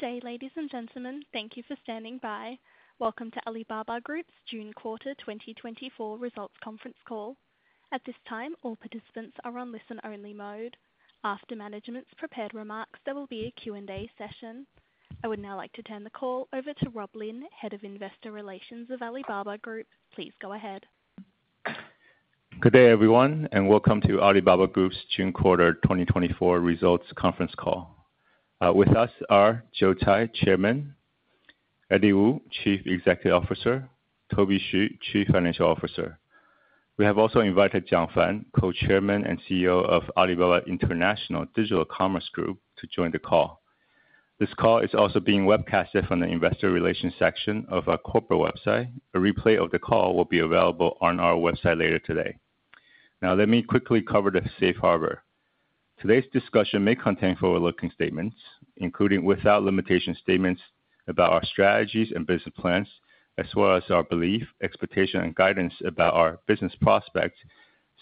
Good day, ladies and gentlemen. Thank you for standing by. Welcome to Alibaba Group's June quarter 2024 results conference call. At this time, all participants are on listen-only mode. After management's prepared remarks, there will be a Q&A session. I would now like to turn the call over to Rob Lin, Head of Investor Relations of Alibaba Group. Please go ahead. Good day, everyone, and welcome to Alibaba Group's June quarter 2024 results conference call. With us are Joe Tsai, Chairman, Eddie Wu, Chief Executive Officer, Toby Xu, Chief Financial Officer. We have also invited Jiang Fan, Co-Chairman and CEO of Alibaba International Digital Commerce Group, to join the call. This call is also being webcasted from the investor relations section of our corporate website. A replay of the call will be available on our website later today. Now, let me quickly cover the safe harbor. Today's discussion may contain forward-looking statements, including, without limitation, statements about our strategies and business plans, as well as our belief, expectation, and guidance about our business prospects,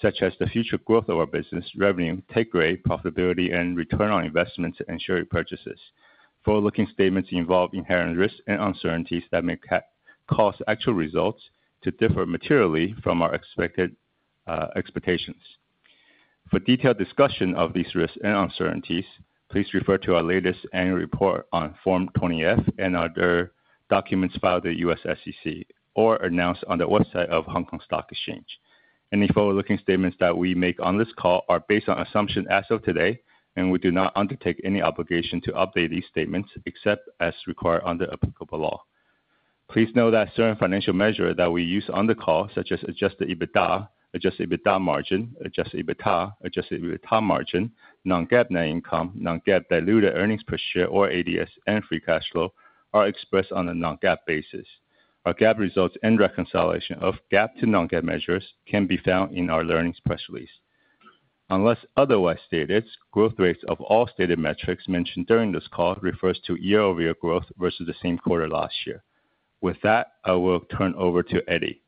such as the future growth of our business, revenue, take rate, profitability, and return on investments and share repurchases. Forward-looking statements involve inherent risks and uncertainties that may cause actual results to differ materially from our expected expectations. For detailed discussion of these risks and uncertainties, please refer to our latest annual report on Form 20-F and other documents filed with the SEC or announced on the website of Hong Kong Stock Exchange. Any forward-looking statements that we make on this call are based on assumptions as of today, and we do not undertake any obligation to update these statements except as required under applicable law. Please note that certain financial measures that we use on the call, such as Adjusted EBITDA, Adjusted EBITDA margin, Adjusted EBITDA, Adjusted EBITDA margin, non-GAAP net income, non-GAAP diluted earnings per share or ADS and free cash flow, are expressed on a non-GAAP basis. Our GAAP results and reconciliation of GAAP to non-GAAP measures can be found in our earnings press release. Unless otherwise stated, growth rates of all stated metrics mentioned during this call refers to year-over-year growth versus the same quarter last year. With that, I will turn over to Eddie.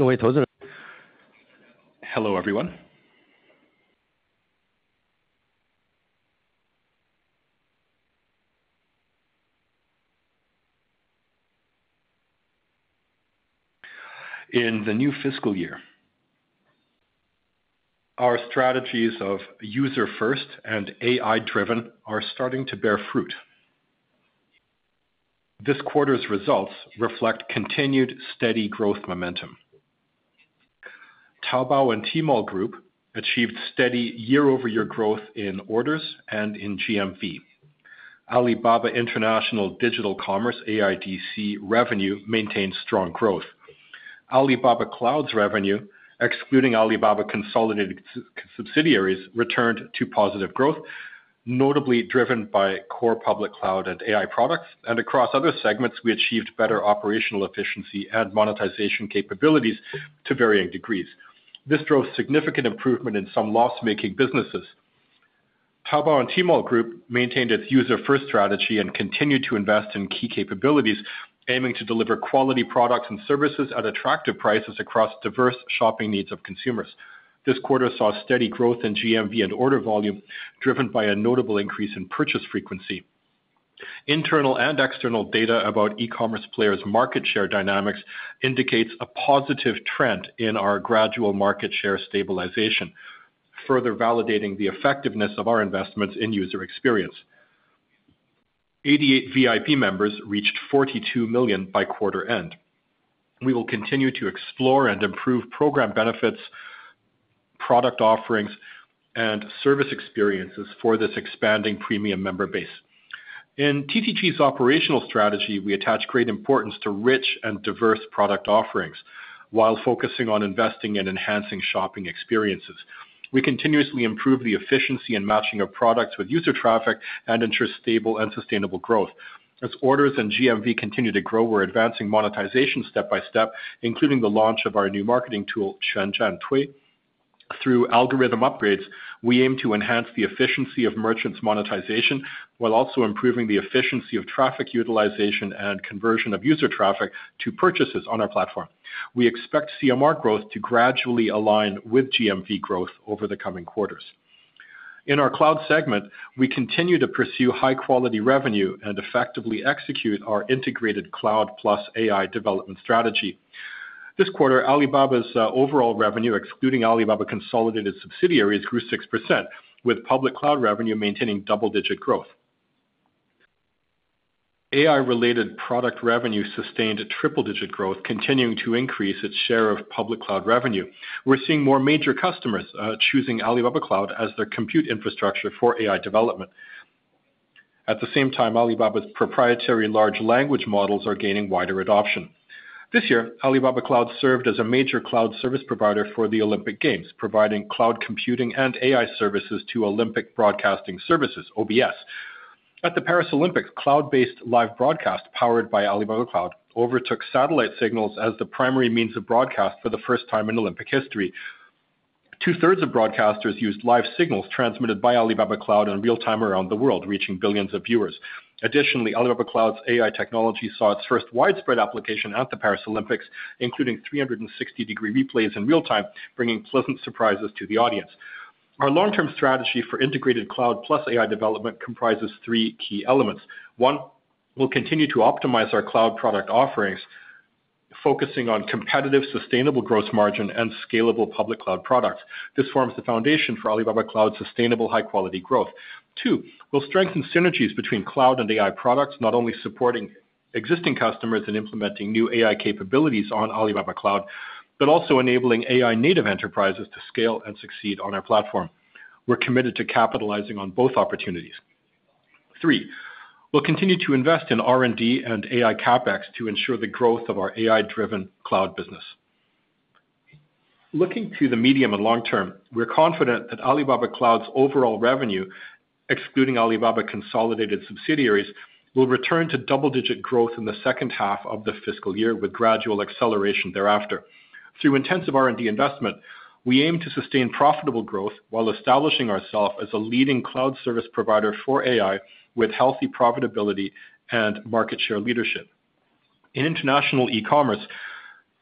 Hello, everyone. In the new fiscal year, our strategies of user-first and AI-driven are starting to bear fruit. This quarter's results reflect continued steady growth momentum. Taobao and Tmall Group achieved steady year-over-year growth in orders and in GMV. Alibaba International Digital Commerce, AIDC, revenue maintained strong growth. Alibaba Cloud's revenue, excluding Alibaba consolidated subsidiaries, returned to positive growth, notably driven by core public cloud and AI products. Across other segments, we achieved better operational efficiency and monetization capabilities to varying degrees. This drove significant improvement in some loss-making businesses. Taobao and Tmall Group maintained its user-first strategy and continued to invest in key capabilities, aiming to deliver quality products and services at attractive prices across diverse shopping needs of consumers. This quarter saw steady growth in GMV and order volume, driven by a notable increase in purchase frequency. Internal and external data about e-commerce players' market share dynamics indicates a positive trend in our gradual market share stabilization, further validating the effectiveness of our investments in user experience. 88VIP members reached 42 million by quarter end. We will continue to explore and improve program benefits, product offerings, and service experiences for this expanding premium member base. In TTG's operational strategy, we attach great importance to rich and diverse product offerings while focusing on investing and enhancing shopping experiences. We continuously improve the efficiency and matching of products with user traffic and ensure stable and sustainable growth. As orders and GMV continue to grow, we're advancing monetization step by step, including the launch of our new marketing tool, Quanzhantui. Through algorithm upgrades, we aim to enhance the efficiency of merchants' monetization, while also improving the efficiency of traffic utilization and conversion of user traffic to purchases on our platform. We expect CMR growth to gradually align with GMV growth over the coming quarters. In our cloud segment, we continue to pursue high-quality revenue and effectively execute our integrated cloud plus AI development strategy. This quarter, Alibaba's overall revenue, excluding Alibaba consolidated subsidiaries, grew 6%, with public cloud revenue maintaining double-digit growth. AI-related product revenue sustained triple-digit growth, continuing to increase its share of public cloud revenue. We're seeing more major customers choosing Alibaba Cloud as their compute infrastructure for AI development. At the same time, Alibaba's proprietary large language models are gaining wider adoption. This year, Alibaba Cloud served as a major cloud service provider for the Olympic Games, providing cloud computing and AI services to Olympic Broadcasting Services, OBS. At the Paris Olympics, cloud-based live broadcast, powered by Alibaba Cloud, overtook satellite signals as the primary means of broadcast for the first time in Olympic history. Two-thirds of broadcasters used live signals transmitted by Alibaba Cloud in real time around the world, reaching billions of viewers. Additionally, Alibaba Cloud's AI technology saw its first widespread application at the Paris Olympics, including 360-degree replays in real time, bringing pleasant surprises to the audience. Our long-term strategy for integrated cloud plus AI development comprises three key elements. One, we'll continue to optimize our cloud product offerings, focusing on competitive, sustainable growth margin and scalable public cloud products. This forms the foundation for Alibaba Cloud's sustainable, high-quality growth. 2, we'll strengthen synergies between cloud and AI products, not only supporting existing customers and implementing new AI capabilities on Alibaba Cloud, but also enabling AI native enterprises to scale and succeed on our platform. We're committed to capitalizing on both opportunities. 3, we'll continue to invest in R&D and AI CapEx to ensure the growth of our AI-driven cloud business. Looking to the medium and long term, we're confident that Alibaba Cloud's overall revenue, excluding Alibaba consolidated subsidiaries, will return to double-digit growth in the second half of the fiscal year, with gradual acceleration thereafter. Through intensive R&D investment, we aim to sustain profitable growth while establishing ourselves as a leading cloud service provider for AI, with healthy profitability and market share leadership. In international e-commerce,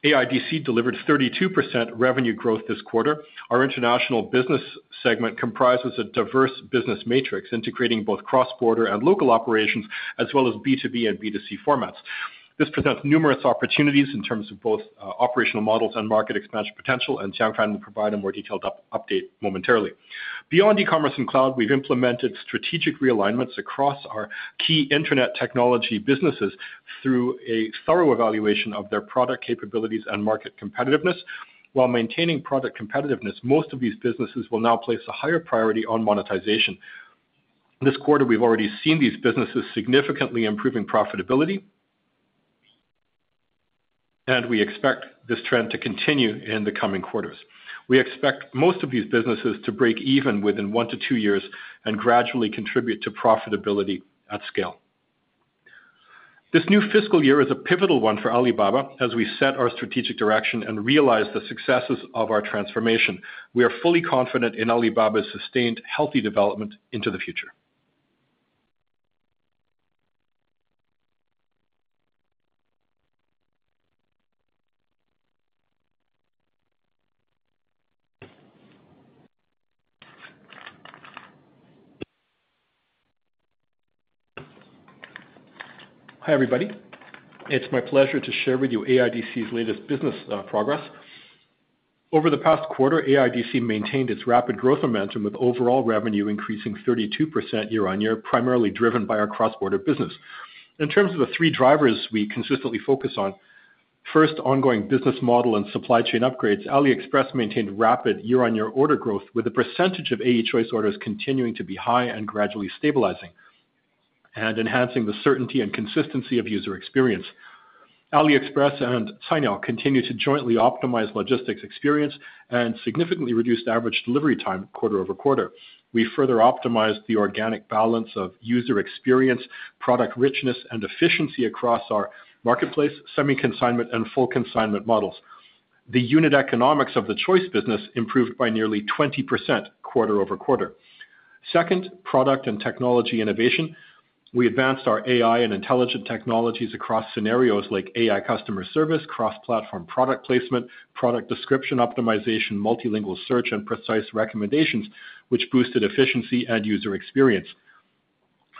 AIDC delivered 32% revenue growth this quarter. Our international business segment comprises a diverse business matrix, integrating both cross-border and local operations, as well as B2B and B2C formats. This presents numerous opportunities in terms of both operational models and market expansion potential, and Jiang Fan will provide a more detailed update momentarily. Beyond e-commerce and cloud, we've implemented strategic realignments across our key internet technology businesses through a thorough evaluation of their product capabilities and market competitiveness. While maintaining product competitiveness, most of these businesses will now place a higher priority on monetization. This quarter, we've already seen these businesses significantly improving profitability, and we expect this trend to continue in the coming quarters. We expect most of these businesses to break even within one to two years and gradually contribute to profitability at scale. This new fiscal year is a pivotal one for Alibaba as we set our strategic direction and realize the successes of our transformation. We are fully confident in Alibaba's sustained, healthy development into the future. Hi, everybody. It's my pleasure to share with you AIDC's latest business progress. Over the past quarter, AIDC maintained its rapid growth momentum, with overall revenue increasing 32% year-on-year, primarily driven by our cross-border business. In terms of the three drivers we consistently focus on, first, ongoing business model and supply chain upgrades. AliExpress maintained rapid year-on-year order growth, with a percentage of AE Choice orders continuing to be high and gradually stabilizing, and enhancing the certainty and consistency of user experience. AliExpress and Cainiao continue to jointly optimize logistics experience and significantly reduced average delivery time quarter-over-quarter. We further optimized the organic balance of user experience, product richness, and efficiency across our marketplace, semi-consignment and full-consignment models. The unit economics of the choice business improved by nearly 20% quarter-over-quarter. Second, product and technology innovation. We advanced our AI and intelligent technologies across scenarios like AI customer service, cross-platform product placement, product description optimization, multilingual search, and precise recommendations, which boosted efficiency and user experience.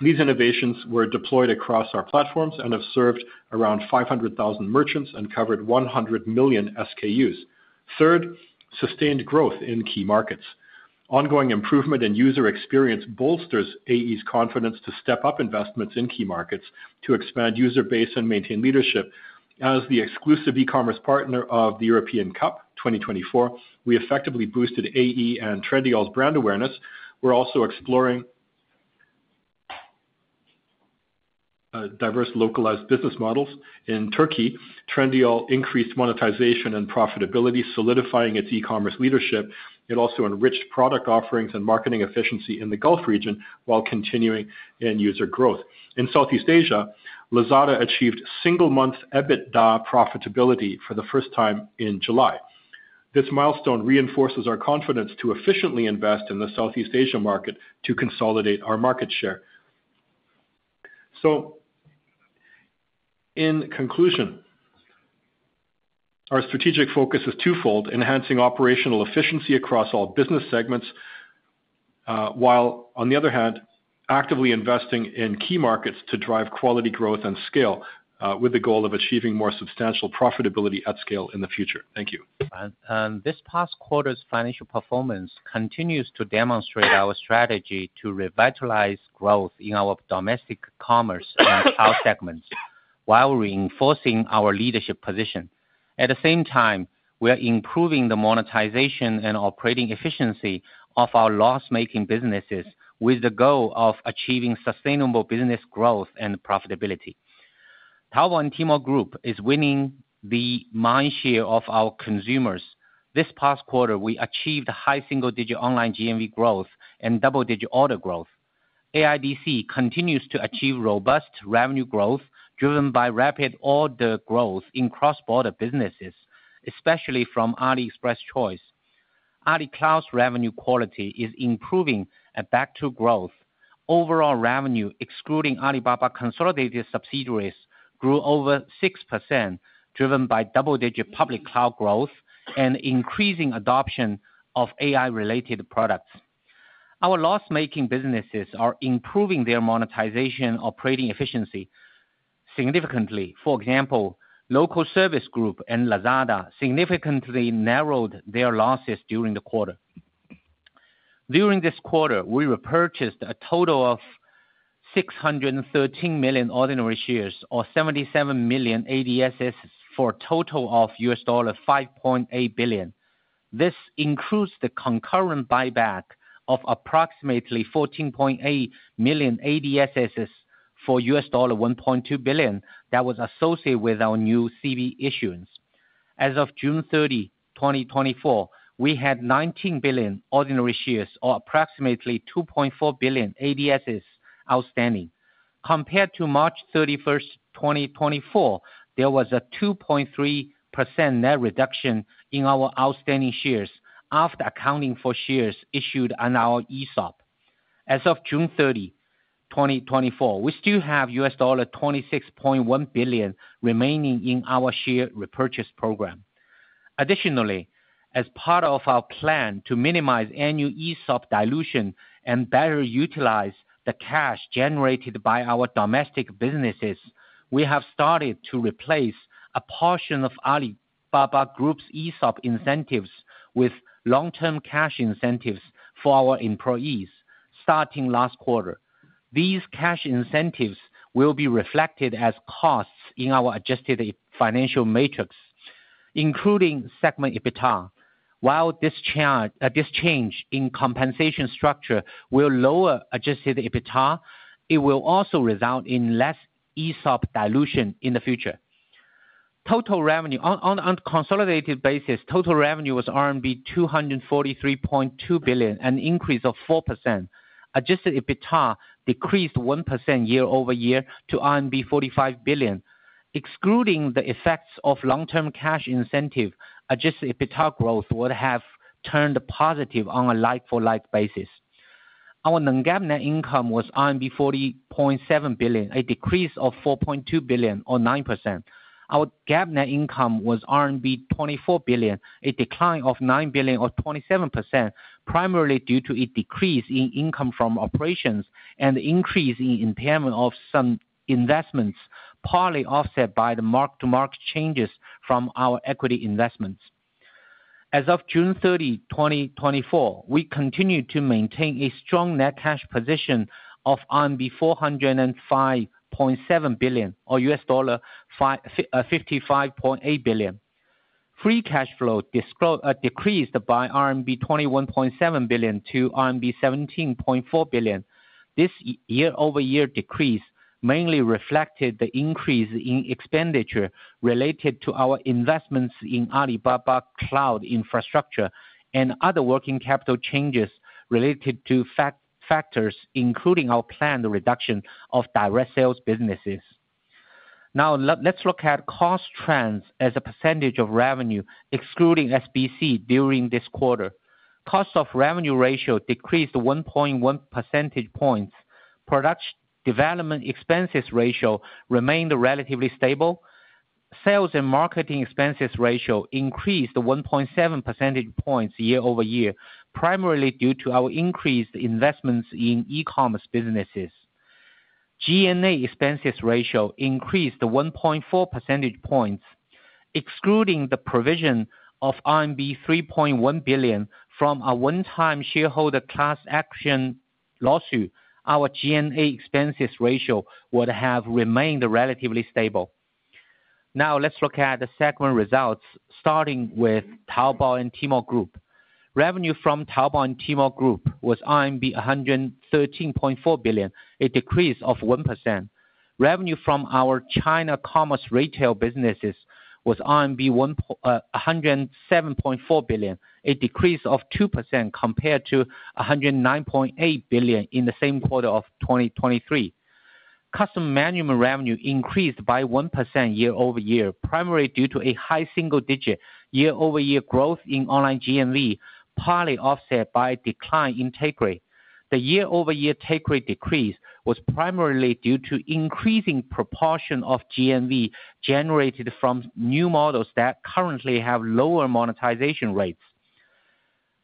These innovations were deployed across our platforms and have served around 500,000 merchants and covered 100 million SKUs. Third, sustained growth in key markets. Ongoing improvement in user experience bolsters AE's confidence to step up investments in key markets, to expand user base and maintain leadership. As the exclusive e-commerce partner of the European Cup 2024, we effectively boosted AE and Trendyol's brand awareness. We're also exploring diverse localized business models. In Turkey, Trendyol increased monetization and profitability, solidifying its e-commerce leadership. It also enriched product offerings and marketing efficiency in the Gulf region, while continuing end user growth. In Southeast Asia, Lazada achieved single-month EBITDA profitability for the first time in July. This milestone reinforces our confidence to efficiently invest in the Southeast Asia market to consolidate our market share. In conclusion, our strategic focus is twofold: enhancing operational efficiency across all business segments, while on the other hand, actively investing in key markets to drive quality growth and scale, with the goal of achieving more substantial profitability at scale in the future. Thank you. This past quarter's financial performance continues to demonstrate our strategy to revitalize growth in our domestic commerce and cloud segments, while reinforcing our leadership position. At the same time, we are improving the monetization and operating efficiency of our loss-making businesses, with the goal of achieving sustainable business growth and profitability. Taobao and Tmall Group is winning the mind share of our consumers. This past quarter, we achieved high single-digit online GMV growth and double-digit order growth. AIDC continues to achieve robust revenue growth, driven by rapid order growth in cross-border businesses, especially from AliExpress Choice. Alibaba Cloud's revenue quality is improving and back to growth. Overall revenue, excluding Alibaba consolidated subsidiaries, grew over 6%, driven by double-digit public cloud growth and increasing adoption of AI-related products. Our loss-making businesses are improving their monetization operating efficiency significantly. For example, Local Services Group and Lazada significantly narrowed their losses during the quarter. During this quarter, we repurchased a total of 613 million ordinary shares, or 77 million ADSs, for a total of $5.8 billion. This includes the concurrent buyback of approximately 14.8 million ADSs for $1.2 billion that was associated with our new CB issuance. As of June 30, 2024, we had 19 billion ordinary shares, or approximately 2.4 billion ADSs outstanding. Compared to March 31, 2024, there was a 2.3% net reduction in our outstanding shares, after accounting for shares issued on our ESOP. As of June 30, 2024, we still have $26.1 billion remaining in our share repurchase program. Additionally, as part of our plan to minimize annual ESOP dilution and better utilize the cash generated by our domestic businesses, we have started to replace a portion of Alibaba Group's ESOP incentives with long-term cash incentives for our employees, starting last quarter. These cash incentives will be reflected as costs in our adjusted financial metrics, including segment EBITDA. While this change in compensation structure will lower Adjusted EBITDA, it will also result in less ESOP dilution in the future. Total revenue on a consolidated basis, total revenue was RMB 243.2 billion, an increase of 4%. Adjusted EBITDA decreased 1% year-over-year to RMB 45 billion. Excluding the effects of long-term cash incentive, adjusted EBITDA growth would have turned positive on a like-for-like basis. Our non-GAAP net income was 40.7 billion, a decrease of 4.2 billion, or 9%. Our GAAP net income was RMB 24 billion, a decline of 9 billion, or 27%, primarily due to a decrease in income from operations and increase in impairment of some investments, partly offset by the mark-to-market changes from our equity investments. As of June 30, 2024, we continued to maintain a strong net cash position of RMB 405.7 billion, or $55.8 billion. Free cash flow decreased by RMB 21.7 billion to RMB 17.4 billion. This year-over-year decrease mainly reflected the increase in expenditure related to our investments in Alibaba Cloud infrastructure and other working capital changes related to factors, including our planned reduction of direct sales businesses. Now, let's look at cost trends as a percentage of revenue, excluding SBC, during this quarter. Cost of revenue ratio decreased 1.1 percentage points. Product development expenses ratio remained relatively stable. Sales and marketing expenses ratio increased 1.7 percentage points year-over-year, primarily due to our increased investments in e-commerce businesses. G&A expenses ratio increased 1.4 percentage points. Excluding the provision of RMB 3.1 billion from a one-time shareholder class action lawsuit, our G&A expenses ratio would have remained relatively stable. Now, let's look at the segment results, starting with Taobao and Tmall Group. Revenue from Taobao and Tmall Group was RMB 113.4 billion, a decrease of 1%. Revenue from our China commerce retail businesses was RMB 107.4 billion, a decrease of 2% compared to 109.8 billion in the same quarter of 2023. Customer management revenue increased by 1% year-over-year, primarily due to a high single digit year-over-year growth in online GMV, partly offset by a decline in take rate. The year-over-year take rate decrease was primarily due to increasing proportion of GMV generated from new models that currently have lower monetization rates.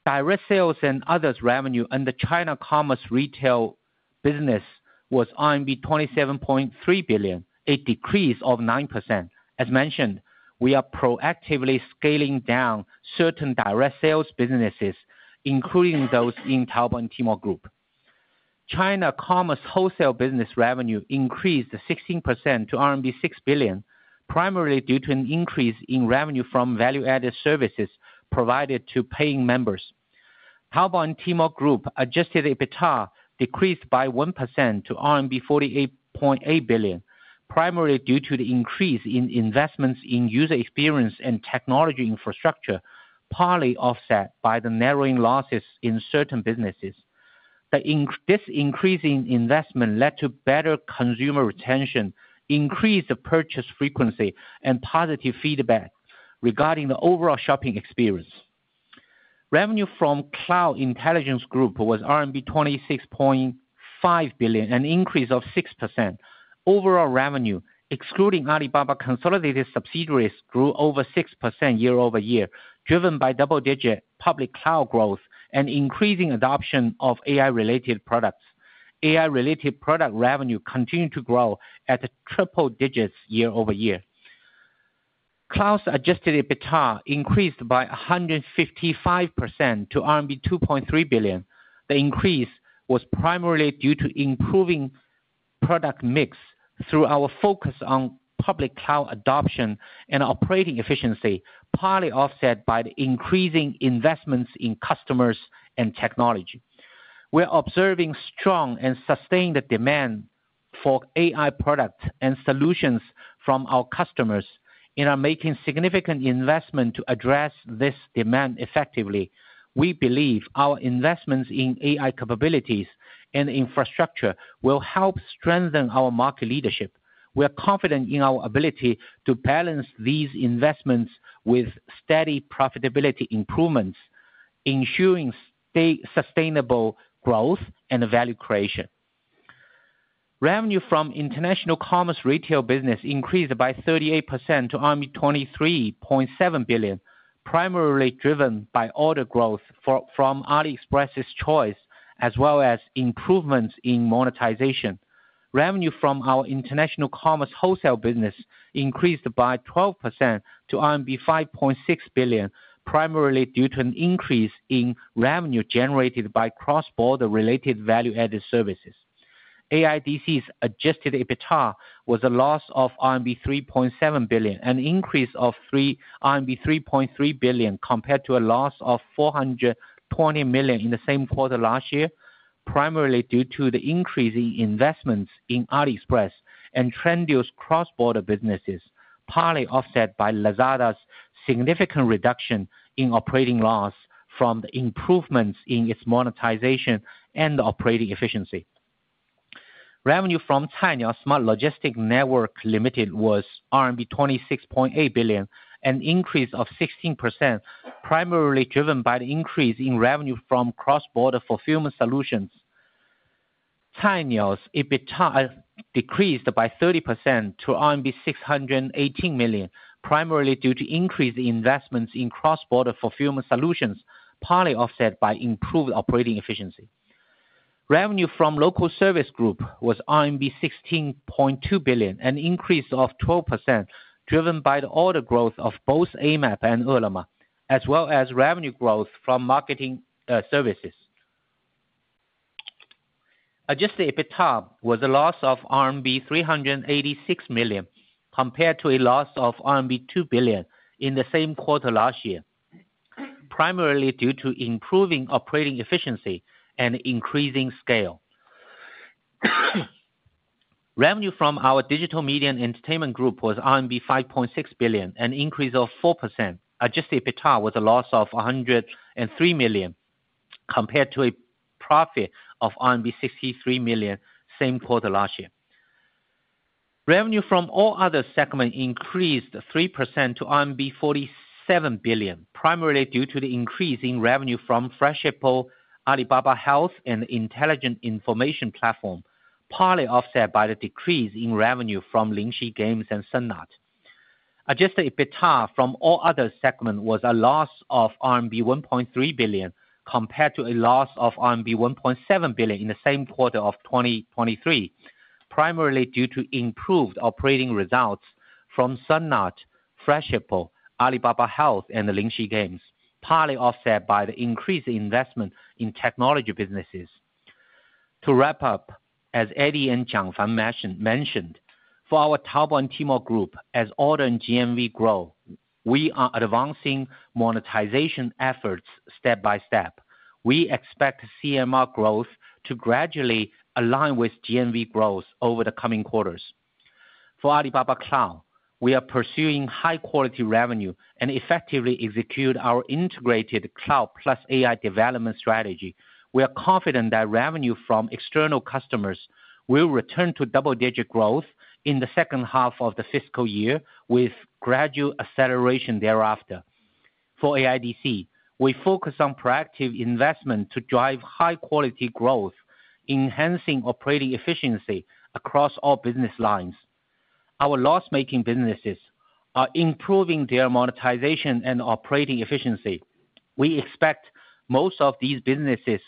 Direct sales and others revenue under China commerce retail business was RMB 27.3 billion, a decrease of 9%. As mentioned, we are proactively scaling down certain direct sales businesses, including those in Taobao and Tmall Group. China commerce wholesale business revenue increased 16% to RMB 6 billion, primarily due to an increase in revenue from value-added services provided to paying members. Taobao and Tmall Group adjusted EBITDA decreased by 1% to RMB 48.8 billion, primarily due to the increase in investments in user experience and technology infrastructure, partly offset by the narrowing losses in certain businesses. This increasing investment led to better consumer retention, increased the purchase frequency, and positive feedback regarding the overall shopping experience. Revenue from Cloud Intelligence Group was RMB 26.5 billion, an increase of 6%. Overall revenue, excluding Alibaba consolidated subsidiaries, grew over 6% year-over-year, driven by double-digit public cloud growth and increasing adoption of AI-related products. AI-related product revenue continued to grow at triple-digit year-over-year. Cloud's adjusted EBITDA increased by 155% to RMB 2.3 billion. The increase was primarily due to improving product mix through our focus on public cloud adoption and operating efficiency, partly offset by the increasing investments in customers and technology. We are observing strong and sustained demand for AI products and solutions from our customers and are making significant investment to address this demand effectively. We believe our investments in AI capabilities and infrastructure will help strengthen our market leadership. We are confident in our ability to balance these investments with steady profitability improvements, ensuring sustainable growth and value creation. Revenue from international commerce retail business increased by 38% to 23.7 billion, primarily driven by order growth from AliExpress's Choice, as well as improvements in monetization. Revenue from our international commerce wholesale business increased by 12% to RMB 5.6 billion, primarily due to an increase in revenue generated by cross-border related value-added services. AIDC's adjusted EBITDA was a loss of RMB 3.7 billion, an increase of RMB 3.3 billion, compared to a loss of 420 million in the same quarter last year, primarily due to the increasing investments in AliExpress and Trendyol cross-border businesses, partly offset by Lazada's significant reduction in operating loss from the improvements in its monetization and operating efficiency. Revenue from Cainiao Smart Logistics Network Limited was RMB 26.8 billion, an increase of 16%, primarily driven by the increase in revenue from cross-border fulfillment solutions. Cainiao's EBITDA decreased by 30% to RMB 618 million, primarily due to increased investments in cross-border fulfillment solutions, partly offset by improved operating efficiency. Revenue from Local Services Group was RMB 16.2 billion, an increase of 12%, driven by the order growth of both Amap and Ele.me, as well as revenue growth from marketing services. Adjusted EBITDA was a loss of RMB 386 million, compared to a loss of RMB 2 billion in the same quarter last year, primarily due to improving operating efficiency and increasing scale. Revenue from our Digital Media and Entertainment Group was RMB 5.6 billion, an increase of 4%. Adjusted EBITDA was a loss of 103 million, compared to a profit of RMB 63 million, same quarter last year. Revenue from all other segments increased 3% to RMB 47 billion, primarily due to the increase in revenue from Freshippo, Alibaba Health, and Intelligent Information Platform, partly offset by the decrease in revenue from Lingxi Games and Sun Art. Adjusted EBITDA from all other segments was a loss of RMB 1.3 billion, compared to a loss of RMB 1.7 billion in the same quarter of 2023, primarily due to improved operating results from Sun Art, Freshippo, Alibaba Health, and the Lingxi Games, partly offset by the increased investment in technology businesses. To wrap up, as Eddie and Jiang Fan mentioned, for our Taobao Tmall group, as order and GMV grow, we are advancing monetization efforts step by step. We expect CMR growth to gradually align with GMV growth over the coming quarters. For Alibaba Cloud, we are pursuing high-quality revenue and effectively execute our integrated cloud plus AI development strategy. We are confident that revenue from external customers will return to double-digit growth in the second half of the fiscal year, with gradual acceleration thereafter. For AIDC, we focus on proactive investment to drive high-quality growth, enhancing operating efficiency across all business lines. Our loss-making businesses are improving their monetization and operating efficiency. We expect most of these businesses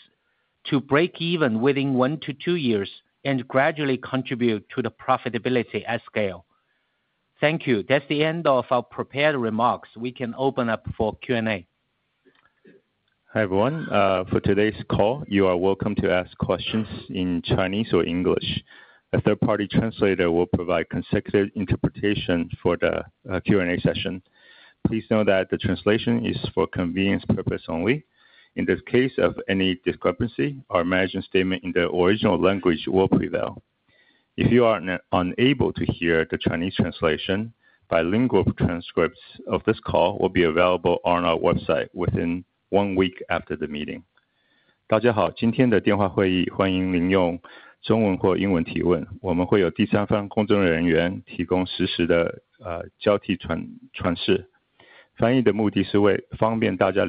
to break even within one to two years and gradually contribute to the profitability at scale. Thank you. That's the end of our prepared remarks. We can open up for Q&A. Hi, everyone. For today's call, you are welcome to ask questions in Chinese or English. A third party translator will provide consecutive interpretation for the Q&A session. Please note that the translation is for convenience purpose only. In the case of any discrepancy, our management statement in the original language will prevail. ...If you are unable to hear the Chinese translation, bilingual transcripts of this call will be available on our website within one week after the meeting. 大家好，今天的电话会议欢迎您用中文或英文提问，我们会有第三方工作人员提供实时的交替传译。翻译的目的 是为大家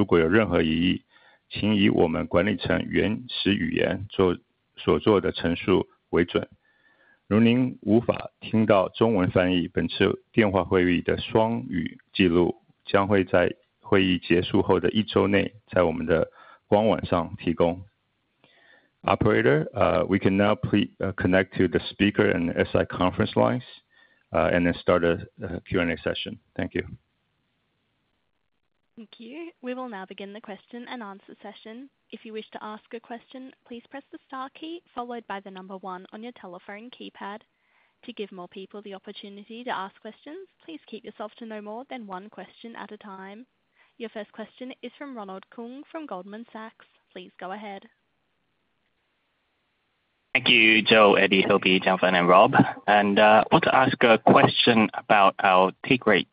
理解，如果 有任何疑 义，请 以我们管理层原始语言所做的陈述为准。如您无法听到中文 翻译，本次 电话会议的双语记录将会在会议结束后的一周 内，在 我们的官网上提供。Operator, we can now please connect to the speaker and the SI conference lines, and then start a Q&A session. Thank you. Thank you. We will now begin the question and answer session. If you wish to ask a question, please press the star key, followed by the number 1 on your telephone keypad. To give more people the opportunity to ask questions, please keep yourself to no more than one question at a time. Your first question is from Ronald Keung, from Goldman Sachs. Please go ahead. Thank you, Joe, Eddie, Toby, Jiang Fan and Rob. And want to ask a question about our take rates,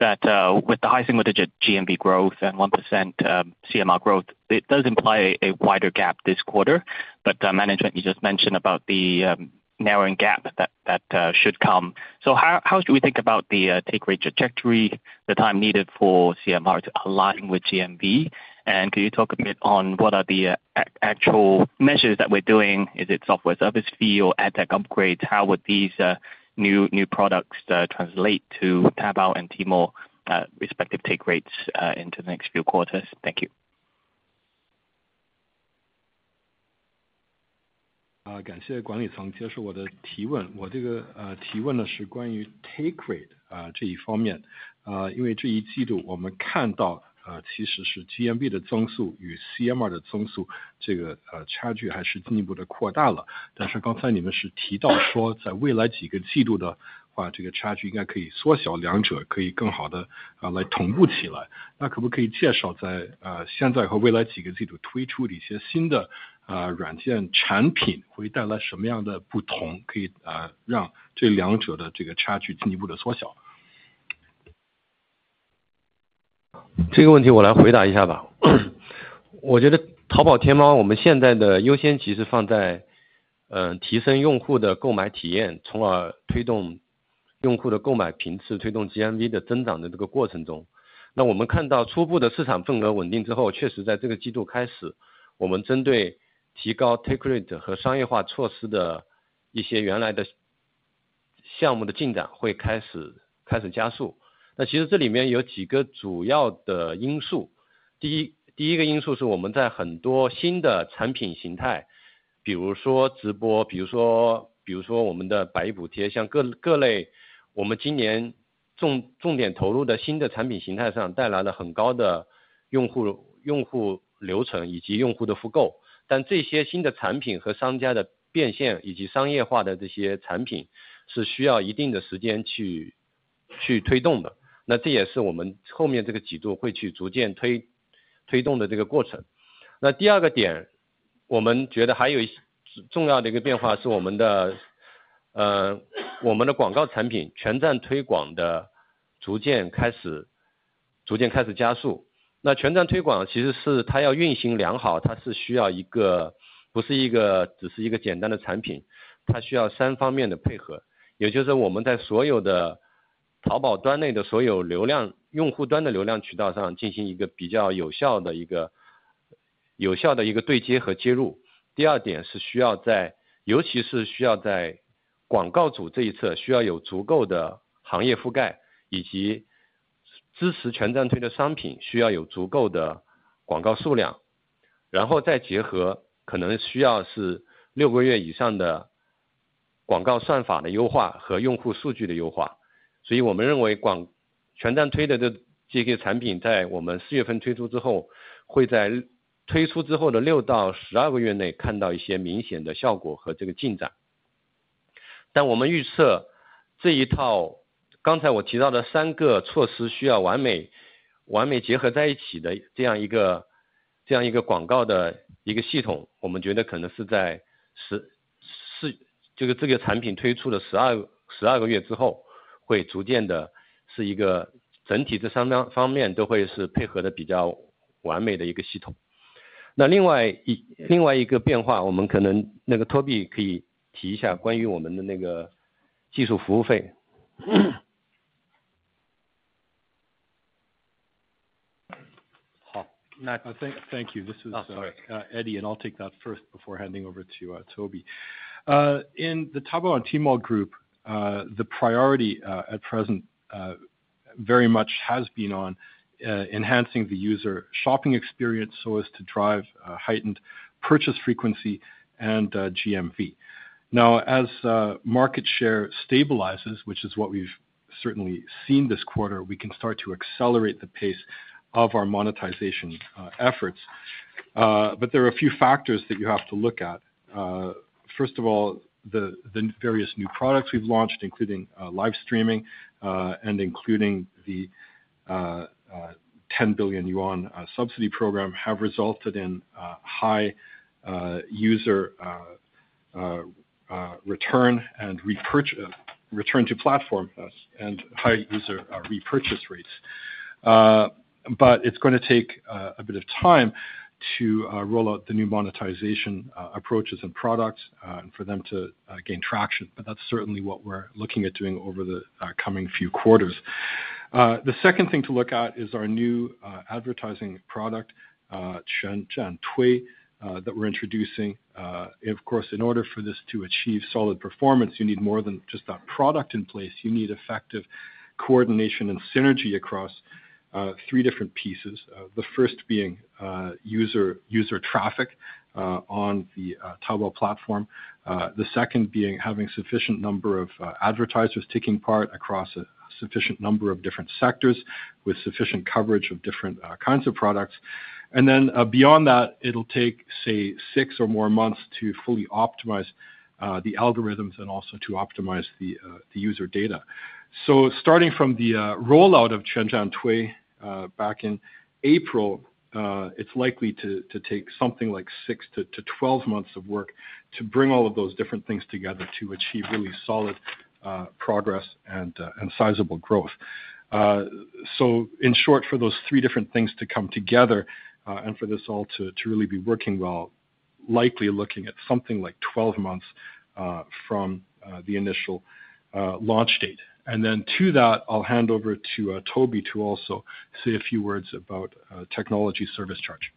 that with the high single digit GMV growth and 1% CMR growth, it does imply a wider gap this quarter. But the management you just mentioned about the narrowing gap that, that should come. So how should we think about the take rate trajectory, the time needed for CMR to align with GMV? And can you talk a bit on what are the actual measures that we're doing? Is it software service fee or ad tech upgrades? How would these new products translate to Taobao and Tmall respective take rates into the next few quarters? Thank you. Thank you, management, for accepting my question. My question is about take rate, this aspect. Because this quarter we see that actually the growth of GMV and the growth of CMR, this gap has further widened. But just now you mentioned that in the future few quarters, this gap should be able to shrink, the two can better synchronize. So can you introduce now and in the future few quarters some new software products that will be launched, what kind of differences they will bring, that can further shrink the gap between these two? 这个问题我来回答一下吧。我觉得淘宝天猫我们现在的优先级是放在，提升用户的购买体验，从而推动用户的购买频次，推动GMV的增长的这个过程中。那我们看到初步的市场份额稳定之后，确实在这个季度开始，我们针对提高take rate和商业化措施的一些原来的项目的进展会开始加速。那其实这里面有几个主要的因素：第一个因素是我们 在很多新的产品形态，比如说直播，比如说我们的百亿补贴，像各类我们今年重点投入的新的产品形态上，带来了很高的用户流程以及用户的复购。但这些新的产品和商家的变现以及商业化的这些产品，是需要一定的时间去推动的，那这也是我们后面这个季度会去逐渐推动的这个过程。那第二个点，我们觉得还有一个重要的变化是我们的广告产品全站推广的逐渐开始加速。那全站推广其实是它要运行良好，它是需要一个... 不是一个只是一个简单的产品，它需要3方面的配合，也就是我们在所有的淘宝端内的所有流量，用户端的流量渠道上进行一个比较有效的一个对接和接入。第二点是需要在广告主这一侧，需要有足够的行业覆盖，以及支持全站推的商品，需要有足够的广告数量，然后再结合可能需要是6个月以上的广告算法的优化和用户数据的优化。所以我们认为全站推的这级产品在我们4月份推出之后，会在推出之后的6到12个月内看到一些明显的效果和这个进展。但我们预测这一套刚才我提到的3个措施，需要完美结合在一起的这样一个广告的一个系统，我们觉得可能是在14，这个产品推出的12个月之后，会逐渐是一个整体的商量方面都会是配合得比较完美的 一个系统。那另外一个变化，我们可能那个Toby可以提一下，关于我们的那个技术服务费。好，那- Thank you. This is- Oh，sorry。Eddie, and I'll take that first before handing over to Toby. In the Taobao and Tmall Group, the priority at present very much has been on enhancing the user shopping experience so as to drive heightened purchase frequency and GMV. Now, as market share stabilizes, which is what we've certainly seen this quarter, we can start to accelerate the pace of our monetization efforts. But there are a few factors that you have to look at. First of all, the various new products we've launched, including live streaming, and including the... 10 billion yuan subsidy program have resulted in a high user return and repurchase, return to platform use, and high user repurchase rates. But it's going to take a bit of time to roll out the new monetization approaches and products for them to gain traction. But that's certainly what we're looking at doing over the coming few quarters. The second thing to look at is our new advertising product, Quanzhantui, that we're introducing. Of course, in order for this to achieve solid performance, you need more than just that product in place, you need effective coordination and synergy across three different pieces. The first being user traffic on the Taobao platform, the second being having sufficient number of advertisers taking part across a sufficient number of different sectors, with sufficient coverage of different kinds of products. And then beyond that, it'll take say, 6 or more months to fully optimize the algorithms and also to optimize the user data. So starting from the rollout of Quanzhantui back in April, it's likely to take something like 6-12 months of work to bring all of those different things together to achieve really solid progress and sizable growth. So in short, for those three different things to come together, and for this all to really be working well, likely looking at something like 12 months from the initial launch date. And then to that, I'll hand over to Toby to also say a few words about technology service charge.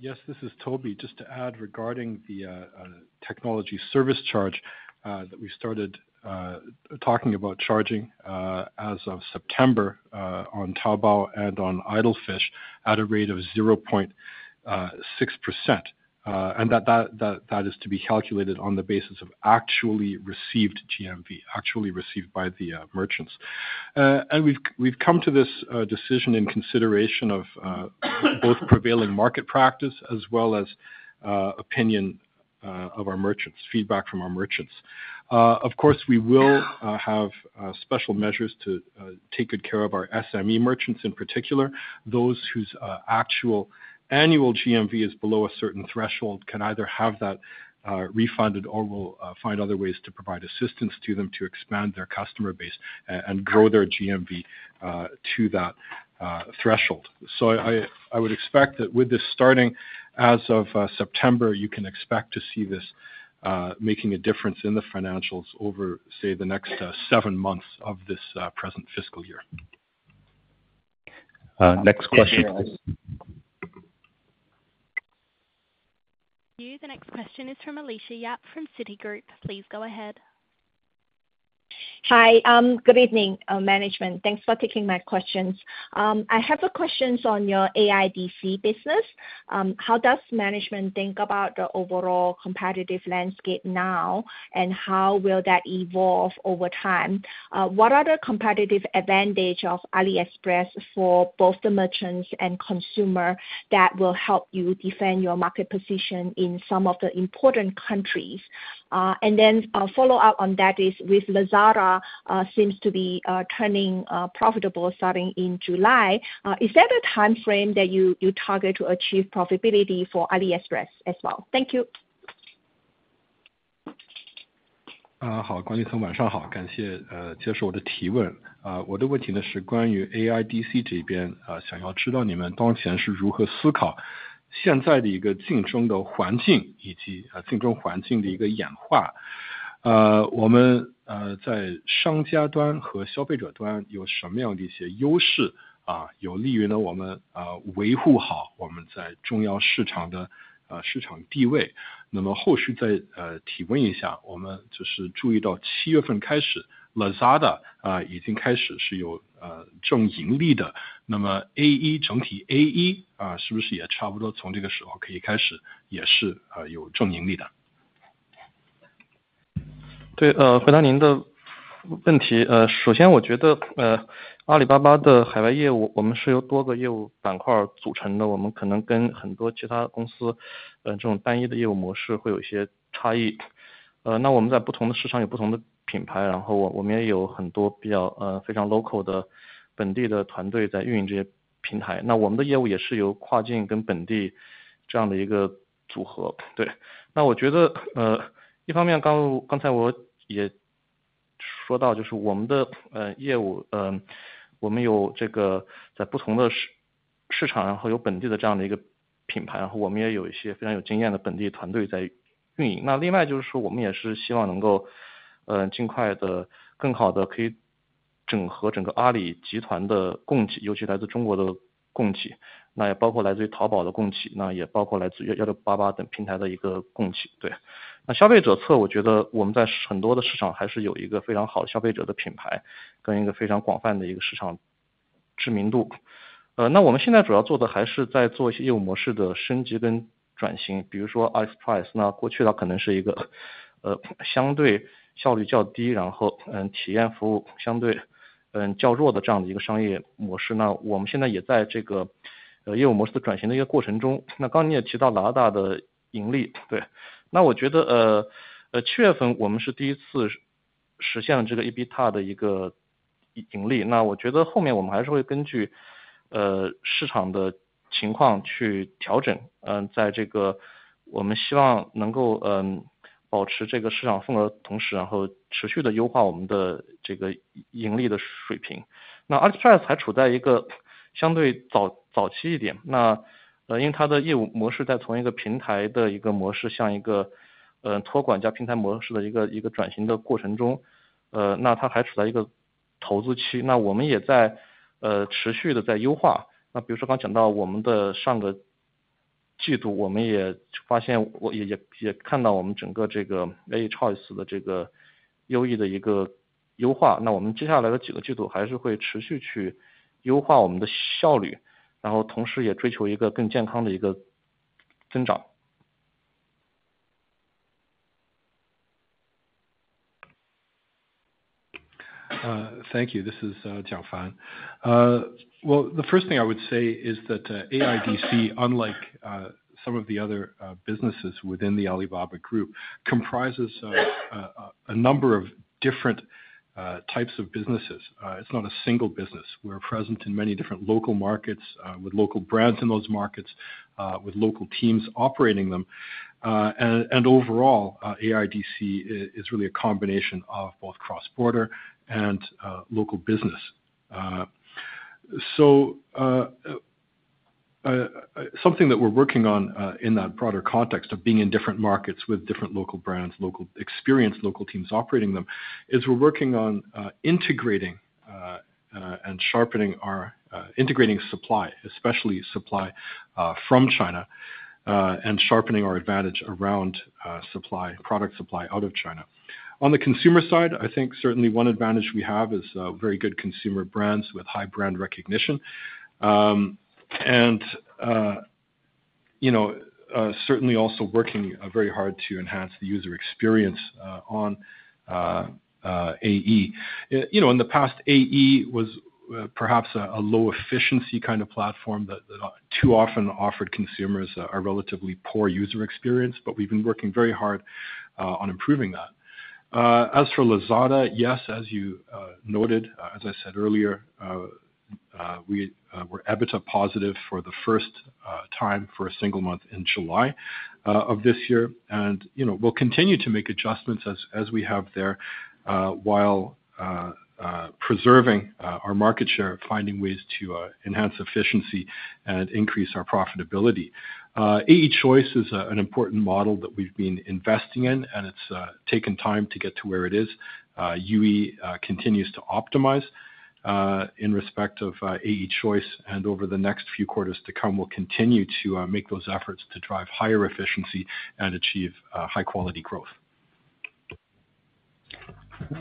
Yes, this is Toby. Just to add regarding the technology service charge that we started talking about charging as of September on Taobao and on Idle Fish at a rate of 0.6%, and that is to be calculated on the basis of actually received GMV, actually received by the merchants. And we've come to this decision in consideration of both prevailing market practice as well as opinion of our merchants, feedback from our merchants. Of course, we will have special measures to take good care of our SME merchants in particular, those whose actual annual GMV is below a certain threshold, can either have that refunded or will find other ways to provide assistance to them to expand their customer base and grow their GMV to that threshold. So I would expect that with this starting as of September, you can expect to see this making a difference in the financials over, say, the next seven months of this present fiscal year. Next question. Now, the next question is from Alicia Yap from Citigroup. Please go ahead. Hi, good evening, management. Thanks for taking my questions. I have a questions on your AIDC business. How does management think about the overall competitive landscape now? And how will that evolve over time? What are the competitive advantage of AliExpress for both the merchants and consumer that will help you defend your market position in some of the important countries? And then a follow up on that is, with Lazada seems to be turning profitable starting in July. Is that a time frame that you target to achieve profitability for AliExpress as well? Thank you. 对，回答您的问题。首先我觉得，阿里巴巴的海外业务我们是由多个业务板块组成的，我们可能跟很多其他公司，这种单一的业务模式会有一些差异。那我们 在不同的市场有不同的品牌，然后我们也有很多比较，非常 local 的本地的团队在运营这些...... 平台，那我们的业务也是由跨境跟本地这样的一个组合。对，那我觉得，一方面，刚才我也说到，就是我们的业务，我们有这个在不同的市场，然后有本地的这样的一个品牌，然后我们也有一 些非常有经验的本地团队在运营。那另外就是说我们也是希望能够尽快更好的可以整合整个阿里集团的供给，特别是来自中国的供给，那也包括来自于淘宝的供给，那也包括来自于1688等平台的供给，对。那消费者侧，我觉得我们在很多的市场还是有一个非常好消费者的品牌，跟一个非常广泛的一个市场知名度。那我们现在主要做的还是在做一些业务模式的升级跟转型，比如说 AE Choice，那过去它可能是一个相对效率较低，然后体验服务相对较弱的这样的一个商业模式呢，我们现在也在这个业务模式转型的一个过程中。那刚刚你也提到 AE Choice 还处于一个相对早期的，那因为它的业务模式在从一个平台的 一个模式，向一个托管加平台模式的一个转型的过程中，那它还处于一个投资期，那我们也在持续地在优化。那比如说刚刚讲到我们的上个季度，我们也发现，我也看到了我们整个这个 AE Choice 的这个优势的一个优化，那我们接下来的几个季度还是会持续去优化我们的效率，然后同时也追求一个更健康的一个增长。Thank you. This is Jiang Fan. Well, the first thing I would say is that AIDC unlike some of the other businesses within the Alibaba Group comprises of a number of different types of businesses. It's not a single business. We're present in many different local markets, with local brands in those markets, with local teams operating them. And overall, AIDC is really a combination of both cross-border and local business. So, something that we're working on, in that broader context of being in different markets with different local brands, local experienced, local teams operating them, is we're working on integrating and sharpening our... integrating supply, especially supply from China, and sharpening our advantage around supply, product supply out of China. On the consumer side, I think certainly one advantage we have is very good consumer brands with high brand recognition. And you know, certainly also working very hard to enhance the user experience on AE. You know, in the past, AE was perhaps a low efficiency kind of platform that too often offered consumers a relatively poor user experience, but we've been working very hard on improving that. As for Lazada, yes, as you noted, as I said earlier, we were EBITDA positive for the first time for a single month in July of this year. You know, we'll continue to make adjustments as we have there, while preserving our market share, finding ways to enhance efficiency and increase our profitability. AE Choice is an important model that we've been investing in, and it's taken time to get to where it is. UE continues to optimize in respect of AE Choice, and over the next few quarters to come, we'll continue to make those efforts to drive higher efficiency and achieve high quality growth.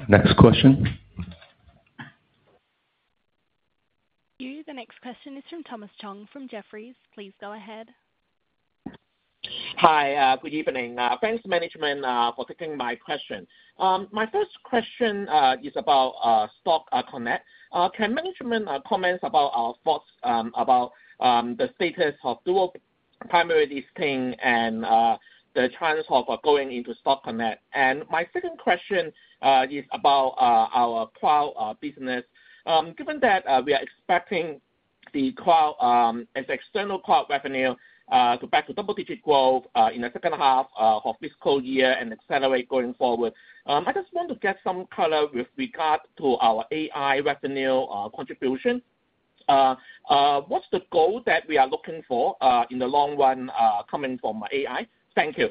Next question. You, the next question is from Thomas Chong from Jefferies. Please go ahead. Hi, good evening. Thanks, management, for taking my question. My first question is about Stock Connect. Can management comments about our thoughts about the status of dual primary listing and the trends of going into Stock Connect? My second question is about our cloud business. Given that we are expecting the cloud as external cloud revenue go back to double-digit growth in the second half of fiscal year and accelerate going forward. I just want to get some color with regard to our AI revenue contribution, what's the goal that we are looking for in the long run coming from AI? Thank you.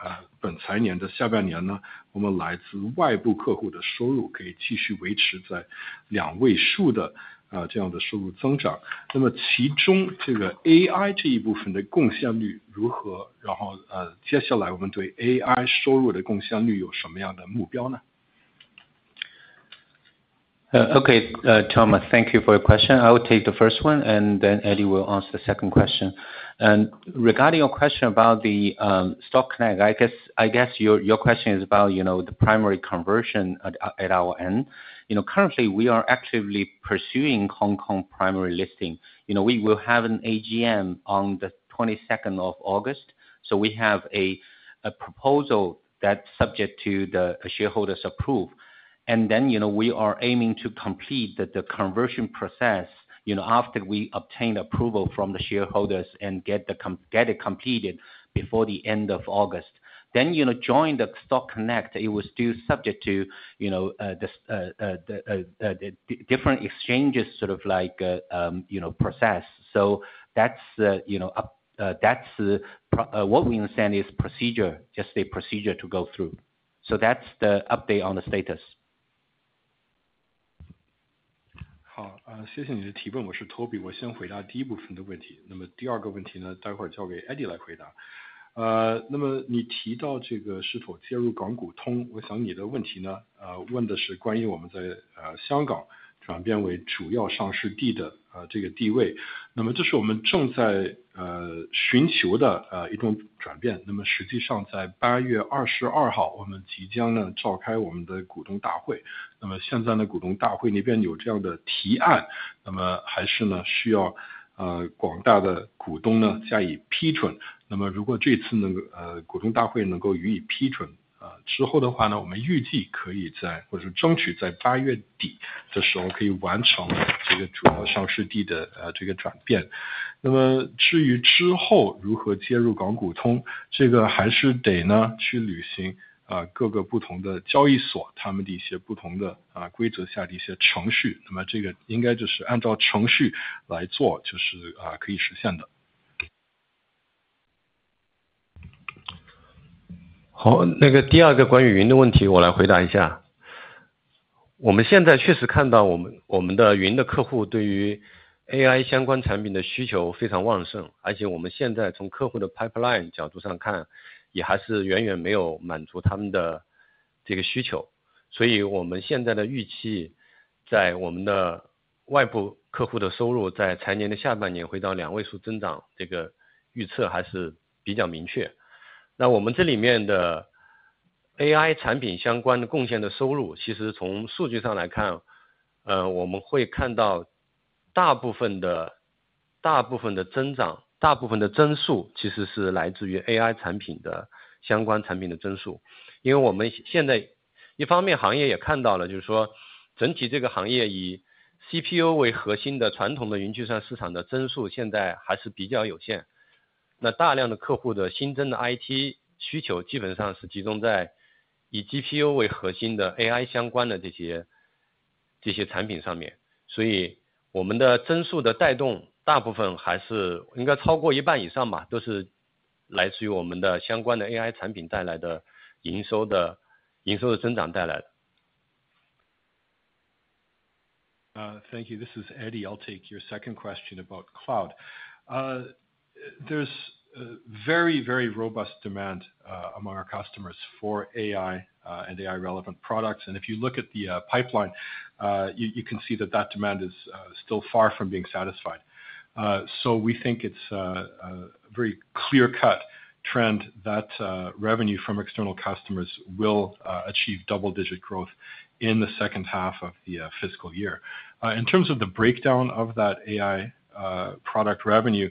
面，那么刚才讲到我们预计在本财年的下半年呢，我们来自外部客户的收入可以继续维持在两位数的这样的收入增长，那么其中这个AI这 一部分的贡献率如何？然后接下来我们对AI收入的贡献率有什么样的目标呢？ Okay, Tom, thank you for your question. I will take the first one, and then Eddie will answer the second question. Regarding your question about the Stock Connect, I guess your question is about, you know, the primary conversion at our end. You know, currently we are actively pursuing Hong Kong primary listing. You know, we will have an AGM on the 22nd of August. So we have a proposal that's subject to the shareholders approve. And then, you know, we are aiming to complete the conversion process, you know, after we obtain approval from the shareholders and get it completed before the end of August. Then, you know, join the Stock Connect, it was still subject to, you know, the different exchanges, sort of like, you know, process. So that's the, you know, what we understand is procedure, just a procedure to go through. So that's the update on the status. Thank you. This is Eddie. I'll take your second question about cloud. There's a very, very robust demand among our customers for AI and AI-relevant products. If you look at the pipeline, you can see that that demand is still far from being satisfied. So we think it's a very clear-cut trend that revenue from external customers will achieve double-digit growth in the second half of the fiscal year. In terms of the breakdown of that AI product revenue,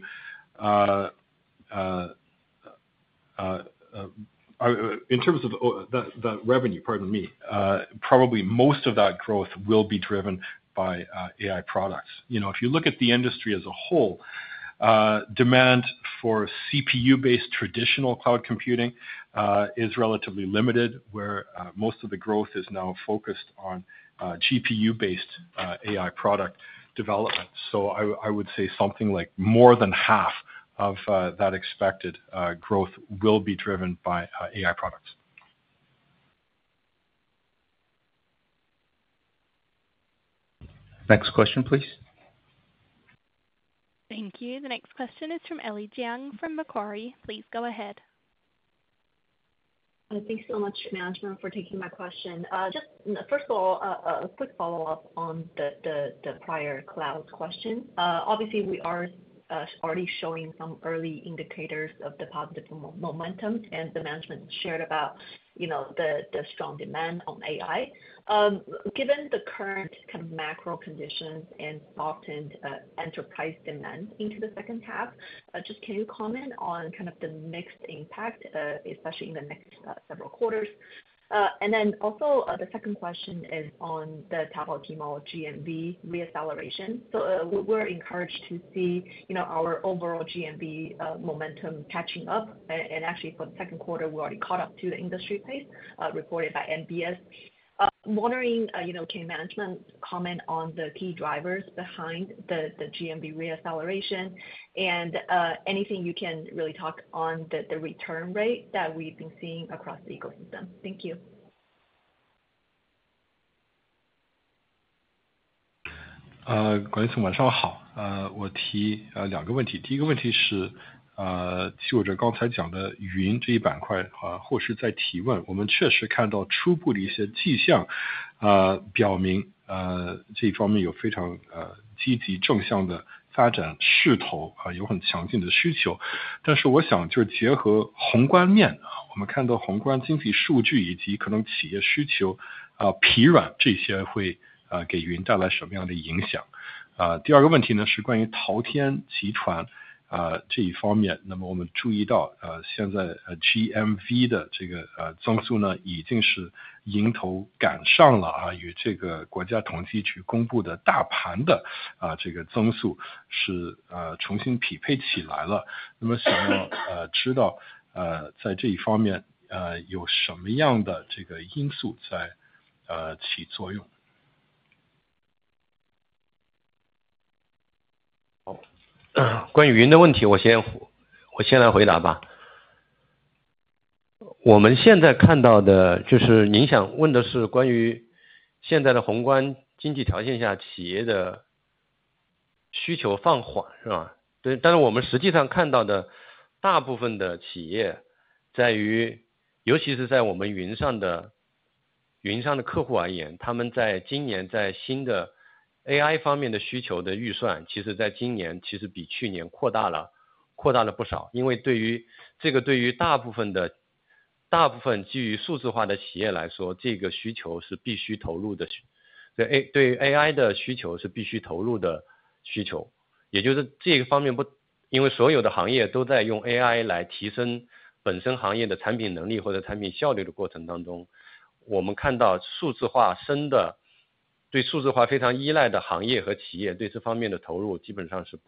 in terms of the revenue, pardon me, probably most of that growth will be driven by AI products. You know, if you look at the industry as a whole, demand for CPU-based traditional cloud computing is relatively limited where most of the growth is now focused on GPU-based AI product development. So I would say something like more than half of that expected growth will be driven by AI products. Next question, please. Thank you. The next question is from Ellie Jiang from Macquarie. Please go ahead. Thanks so much, management, for taking my question. Just first of all, a quick follow-up on the prior cloud question. Obviously we are already showing some early indicators of the positive momentum, and the management shared about, you know, the strong demand on AI. Given the current kind of macro conditions and often enterprise demand into the second half, just can you comment on kind of the mixed impact, especially in the next several quarters? And then also, the second question is on the top of Tmall GMV re-acceleration. So, we're encouraged to see, you know, our overall GMV momentum catching up. And actually for the second quarter, we already caught up to the industry pace reported by NBS. Wondering, you know, can management comment on the key drivers behind the, the GMV re-acceleration? And, anything you can really talk on the, the return rate that we've been seeing across the ecosystem. Thank you....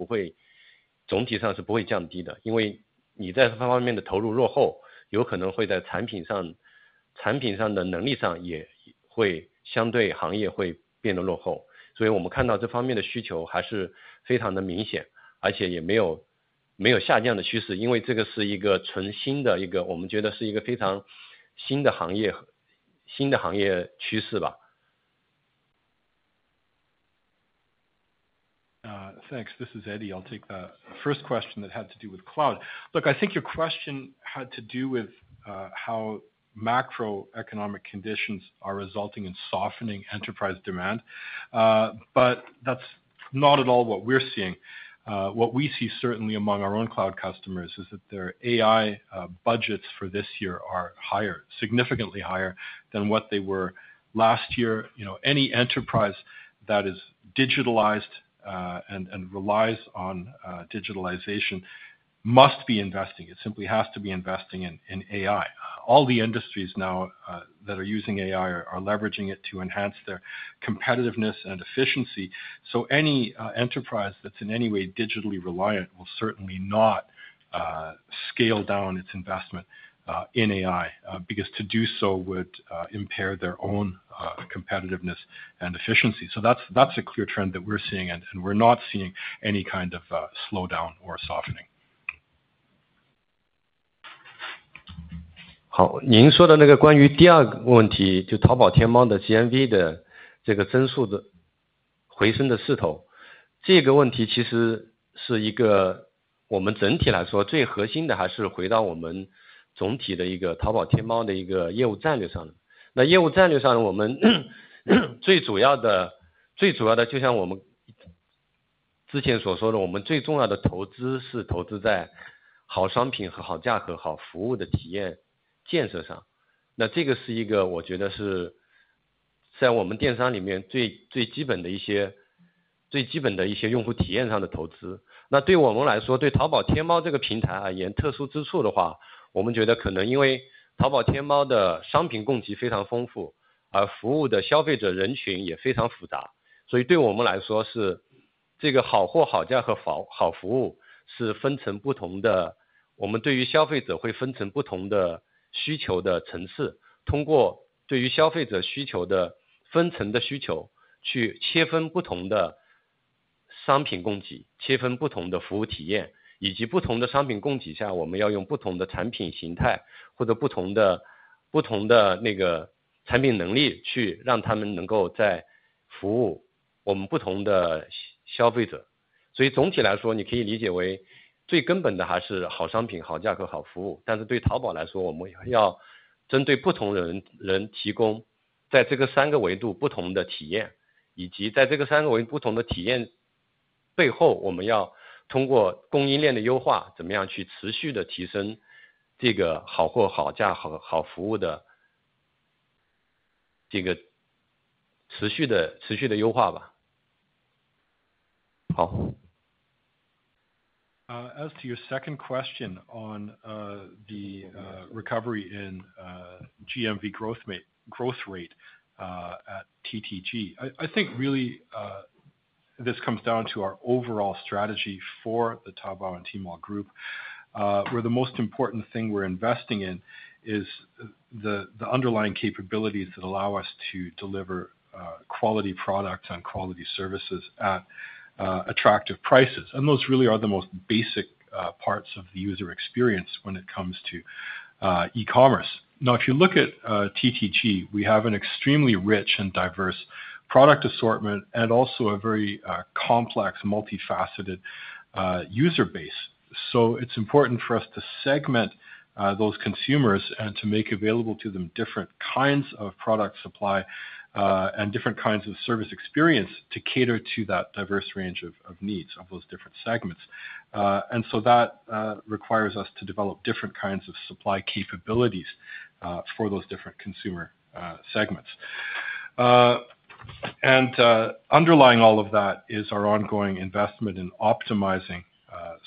会，总體上是不 会降低的，因为你在这方面的投入落后，有可能会在产品上，产品上的能力上也会相对行业会变得落后。所以我们看到这方面的需求还是非常的明显，而且也没有，没有下降的趋势，因为这个是一个全新的一个，我们觉得是一个非常新的行业，新的行业趋势吧。Thanks. This is Eddie, I'll take the first question that had to do with cloud. Look, I think your question had to do with how macroeconomic conditions are resulting in softening enterprise demand. But that's not at all what we're seeing. What we see certainly among our own cloud customers is that their AI budgets for this year are higher, significantly higher than what they were last year. You know, any enterprise that is digitalized and relies on digitalization must be investing. It simply has to be investing in AI. All the industries now that are using AI are leveraging it to enhance their competitiveness and efficiency. So any enterprise that's in any way digitally reliant will certainly not scale down its investment in AI because to do so would impair their own competitiveness and efficiency. So that's, that's a clear trend that we're seeing, and we're not seeing any kind of slowdown or softening. 分层的需 As to your second question on the recovery in GMV growth momentum, growth rate at TTG. I think really, this comes down to our overall strategy for the Taobao and Tmall Group, where the most important thing we're investing in is the underlying capabilities that allow us to deliver quality products and quality services at-... attractive prices. And those really are the most basic parts of the user experience when it comes to e-commerce. Now, if you look at TTG, we have an extremely rich and diverse product assortment and also a very complex, multifaceted user base. So it's important for us to segment those consumers and to make available to them different kinds of product supply and different kinds of service experience to cater to that diverse range of needs of those different segments. And so that requires us to develop different kinds of supply capabilities for those different consumer segments. Underlying all of that is our ongoing investment in optimizing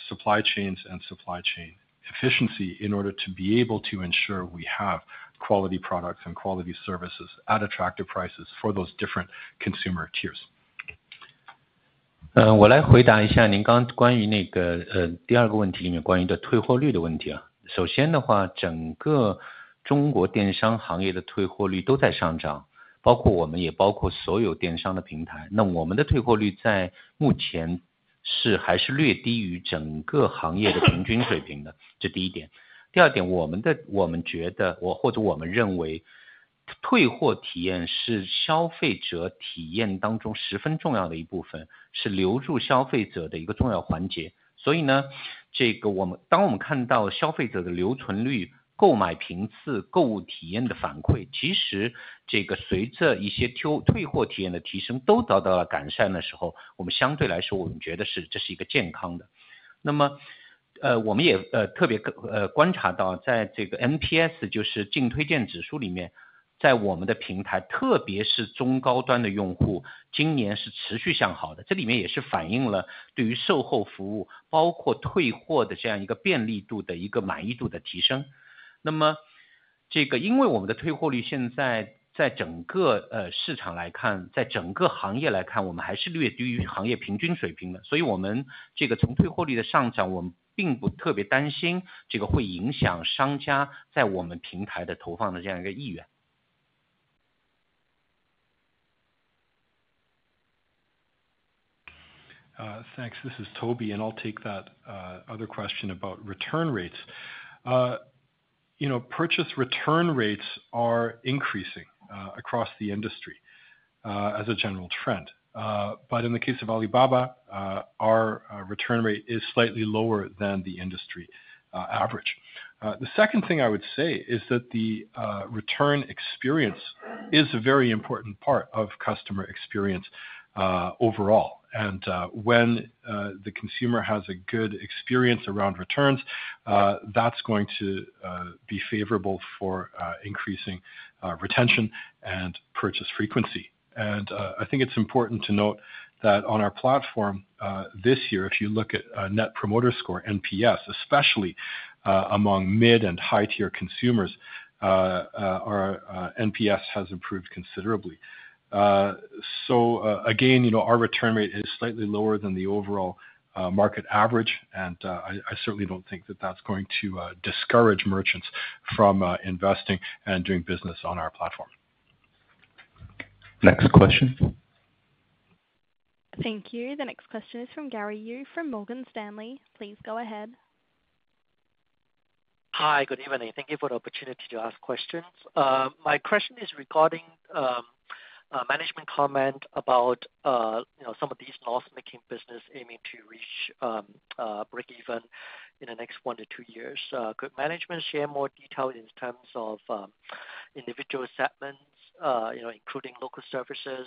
supply chains and supply chain efficiency in order to be able to ensure we have quality products and quality services at attractive prices for those different consumer tiers. Uh, Thanks. This is Toby, and I'll take that other question about return rates. You know, purchase return rates are increasing across the industry as a general trend. But in the case of Alibaba, our return rate is slightly lower than the industry average. The second thing I would say is that the return experience is a very important part of customer experience overall. And when the consumer has a good experience around returns, that's going to be favorable for increasing retention and purchase frequency. And I think it's important to note that on our platform, this year, if you look at Net Promoter Score, NPS, especially among mid and high-tier consumers, our NPS has improved considerably. So, again, you know, our return rate is slightly lower than the overall market average, and I certainly don't think that that's going to discourage merchants from investing and doing business on our platform. Next question. Thank you. The next question is from Gary Yu from Morgan Stanley. Please go ahead. Hi, good evening. Thank you for the opportunity to ask questions. My question is regarding management comment about you know, some of these loss-making business aiming to reach breakeven in the next 1 to 2 years. Could management share more detail in terms of individual segments you know, including local services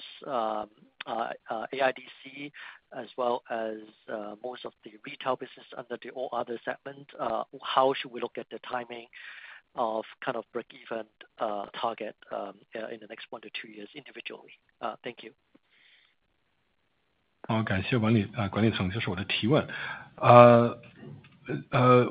AIDC, as well as most of the retail business under the all other segment? How should we look at the timing of kind of breakeven target in the next 1 to 2 years individually? Thank you. Uh,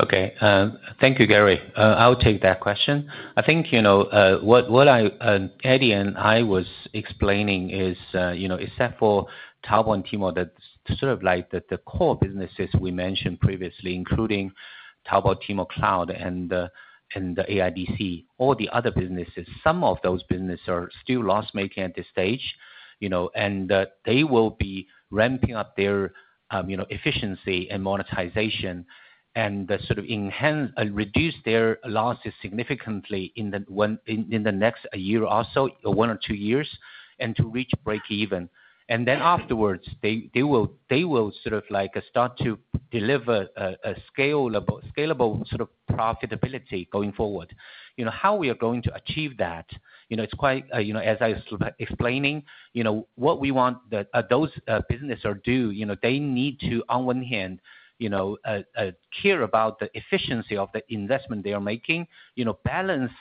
Okay. Thank you, Gary. I'll take that question. I think, you know, what Eddie and I was explaining is, you know, except for Taobao and Tmall, that's sort of like the core businesses we mentioned previously, including Taobao, Tmall, Cloud and the AIDC, all the other businesses, some of those businesses are still loss-making at this stage, you know, and they will be ramping up their, you know, efficiency and monetization and sort of reduce their losses significantly in the next year or so, or one or two years, and to reach breakeven. And then afterwards, they will sort of like start to deliver a scalable sort of profitability going forward. You know, how we are going to achieve that, you know, it's quite, you know, as I was explaining, you know, what we want that, those, business are due, you know, they need to on one hand, you know, care about the efficiency of the investment they are making. You know, balance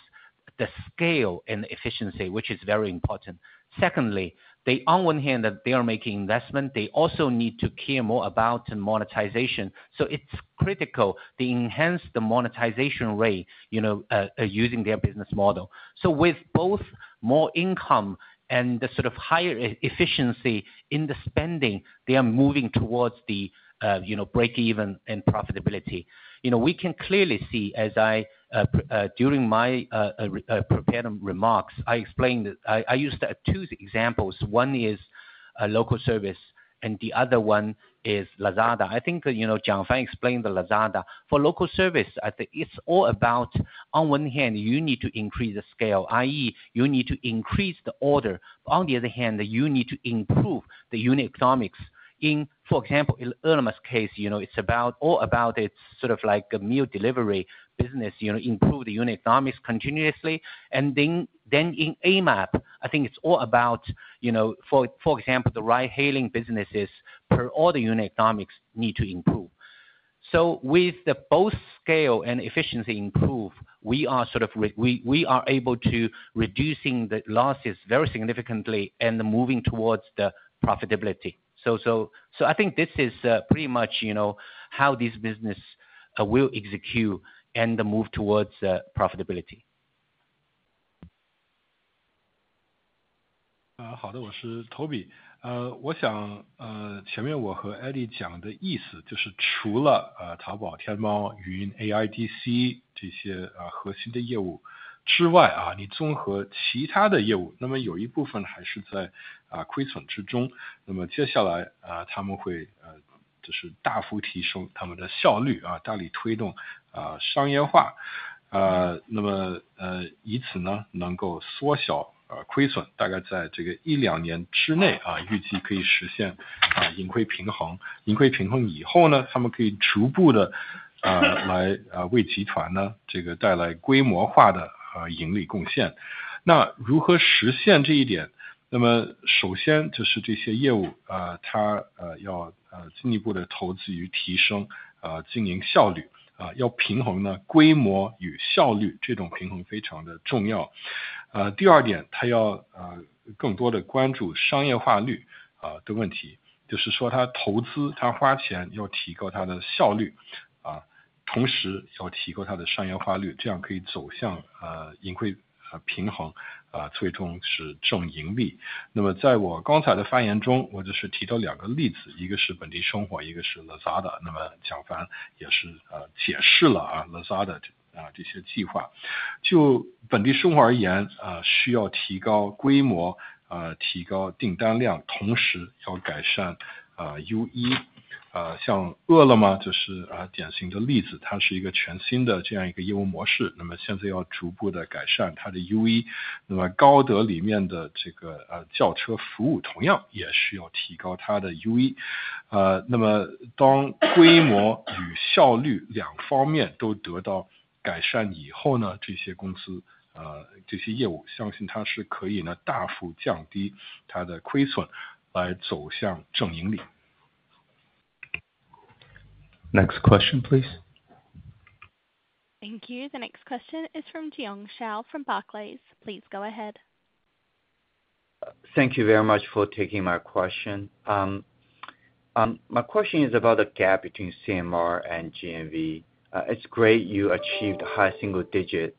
the scale and efficiency, which is very important. Secondly, they on one hand that they are making investment, they also need to care more about and monetization, so it's critical they enhance the monetization rate, you know, using their business model. So with both more income and the sort of higher efficiency in the spending, they are moving towards the, you know, break-even and profitability. You know, we can clearly see as I prepared during my prepared remarks, I explained, I used two examples. One is a local service and the other one is Lazada. I think, you know, Jiang Fan explained the Lazada. For local service, I think it's all about on one hand you need to increase the scale, i.e., you need to increase the order; on the other hand, you need to improve the unit economics. In, for example, in Ele.me's case, you know, it's about all about it's sort of like a meal delivery business, you know, improve the unit economics continuously, and then in Amap, I think it's all about, you know, for, for example, the ride hailing businesses for all the unit economics need to improve. So with both scale and efficiency improve, we are sort of, we are able to reducing the losses very significantly and moving towards the profitability. So I think this is pretty much, you know, how this business will execute and move towards profitability. Next question please. Thank you. The next question is from Jiong Shao from Barclays. Please go ahead. Thank you very much for taking my question. My question is about the gap between CMR and GMV. It's great you achieved high single digit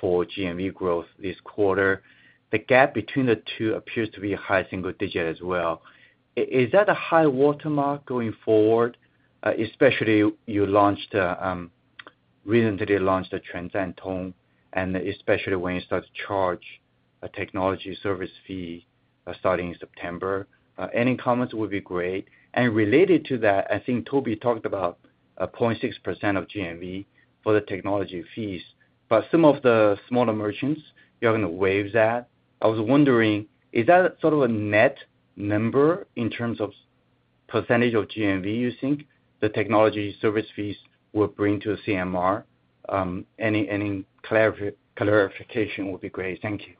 for GMV growth this quarter. The gap between the two appears to be high single digit as well. Is that a high watermark going forward? Especially you launched recently launched the Quanzhantui, and especially when you start to charge a technology service fee starting September. Any comments would be great. And related to that, I think Toby talked about a 0.6% of GMV for the technology fees, but some of the smaller merchants you are going to waive that. I was wondering, is that sort of a net number in terms of percentage of GMV, you think the technology service fees will bring to CMR? Any clarification would be great. Thank you. ...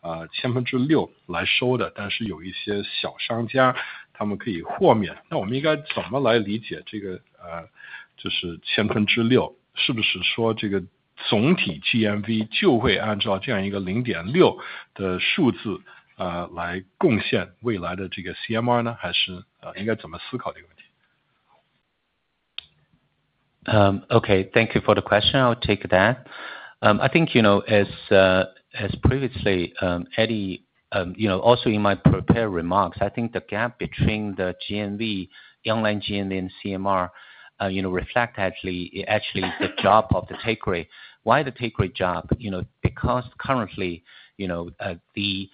Okay, thank you for the question. I'll take that. I think, you know, as, as previously, Eddie, you know, also in my prepared remarks, I think the gap between the GMV, the online GMV and CMR, you know, reflect actually, actually, the job of the take rate. Why the take rate drop? You know, because currently, you know, the,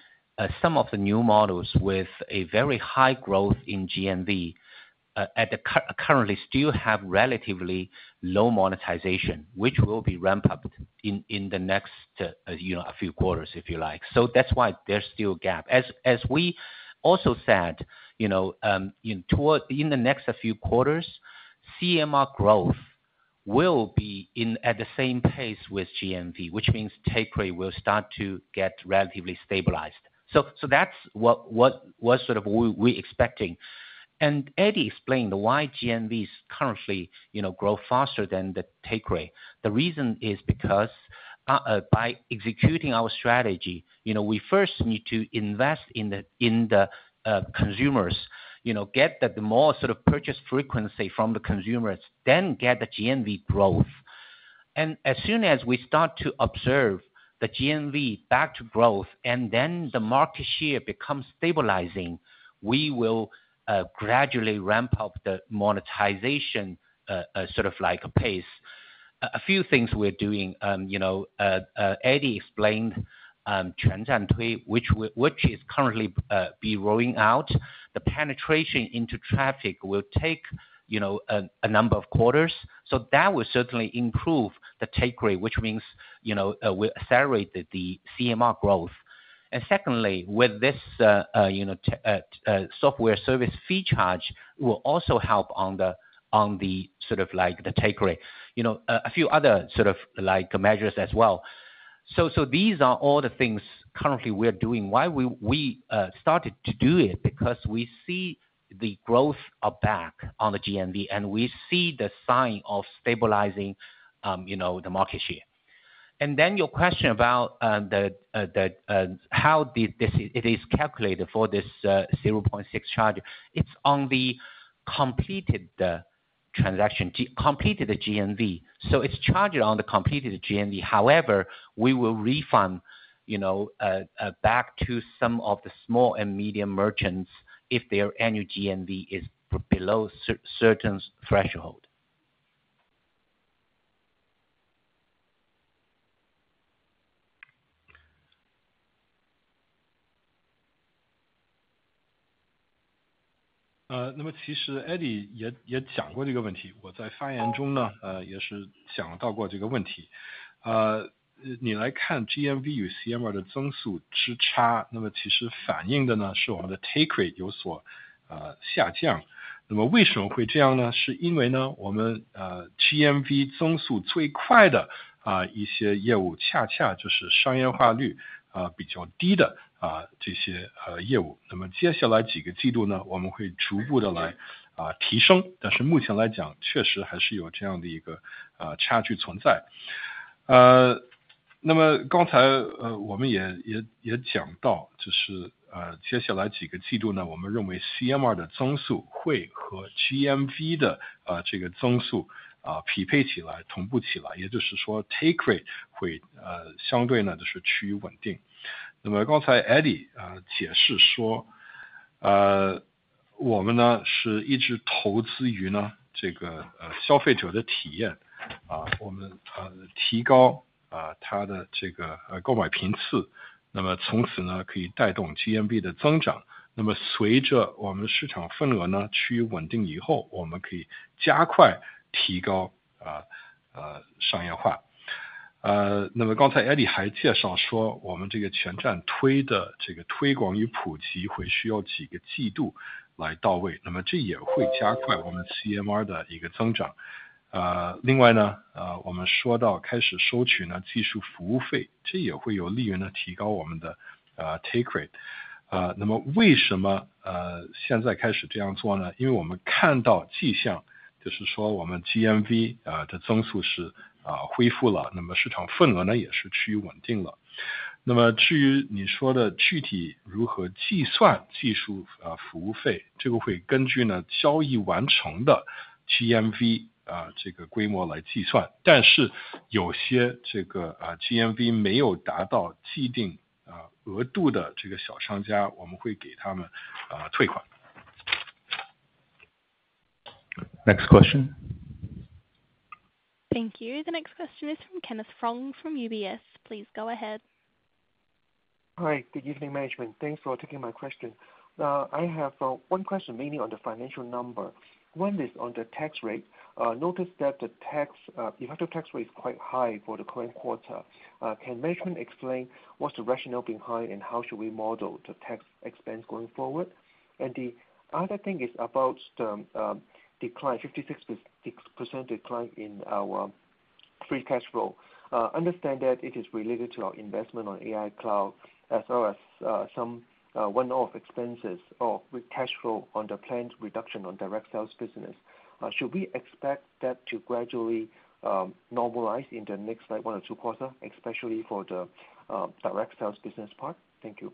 some of the new models with a very high growth in GMV, at the currently still have relatively low monetization, which will be ramped up in, in the next, you know, a few quarters, if you like. So that's why there's still a gap. As we also said, you know, in the next few quarters, CMR growth will be in at the same pace with GMV, which means take rate will start to get relatively stabilized. So that's what sort of we expecting. And Eddie explained why GMV is currently, you know, grow faster than the take rate. The reason is because by executing our strategy, you know, we first need to invest in the consumers, you know, get the more sort of purchase frequency from the consumers, then get the GMV growth. And as soon as we start to observe the GMV back to growth, and then the market share becomes stabilizing, we will gradually ramp up the monetization sort of like a pace. A few things we're doing, you know, Eddie explained Quanzhantui, which is currently being rolled out. The penetration into traffic will take, you know, a number of quarters. So that will certainly improve the take rate, which means, you know, we'll accelerate the CMR growth. And secondly, with this, you know, the software service fee charge will also help on the sort of like the take rate. You know, a few other sort of like measures as well. So these are all the things currently we are doing. Why we started to do it? Because we see the growth are back on the GMV, and we see the sign of stabilizing, you know, the market share. Your question about how this is calculated for this 0.6 charge. It's on the completed transaction GMV, so it's charged on the completed GMV. However, we will refund, you know, back to some of the small and medium merchants if their annual GMV is below certain threshold. 那么其实Eddie也讲过这个问题，我在发言中呢，也是讲到过这个问题。你来看GMV与CMR的增速之差，那么其实反映的呢，是我们的take rate有所下降。那么为什么会这样呢？是因为呢，我们，GMV增速最快的，一些业务，恰恰就是商业化率，比较低的，这些，业务。那么接下来几个季度呢，我们会逐步地来，提昇，但是目前来讲确实还是有这样的一个，差距存在。那么刚才，我们也讲到，就是，接下来几个季度呢，我们认为CMR的增速会和GMV的，这个增速，匹配起来，同步起来，也就是说，take rate会，相对呢，就是趋于稳定。那么刚才Eddie，解释说，我们呢，是一直投资于呢，这个，消费者的体验，我们，提高，他的这个，购买频次，那么从此呢，可以带动GMV的增长。那么随着我们市场份额呢趋于稳定以后，我们可以加快提高，商业化。那么刚才Eddie还介绍说，我们这个全站推的，这个推广与普及会需要几个季度来到位，那么这也会加快我们CMR的一个增长。另外呢，我们说到开始收取呢，技术服务费，这也会有利于呢，提高我们的，take rate。那么为什么，现在开始这样做呢？因为我们看到迹象，就是说我们GMV的增速是，恢复了，那么市场份额呢，也是趋于稳定了。那么至于你说的具体如何计算技术，服务费，这个会根据呢，交易完成的GMV，这个规模来计算。但是有些这个，GMV没有达到既定，额度的这个小商家，我们会给他们，退款。Next question. Thank you. The next question is from Kenneth Fong from UBS. Please go ahead. Hi. Good evening, management. Thanks for taking my question. I have one question, mainly on the financial number. One is on the tax rate. Notice that the tax, the effective tax rate is quite high for the current quarter. Can management explain what's the rationale behind, and how should we model the tax expense going forward? And the other thing is about the decline, 56.6% decline in our Free Cash Flow. Understand that it is related to our investment on AI cloud, as well as some one-off expenses or with cash flow on the planned reduction on direct sales business. Should we expect that to gradually normalize in the next, like, one or two quarters, especially for the direct sales business part? Thank you.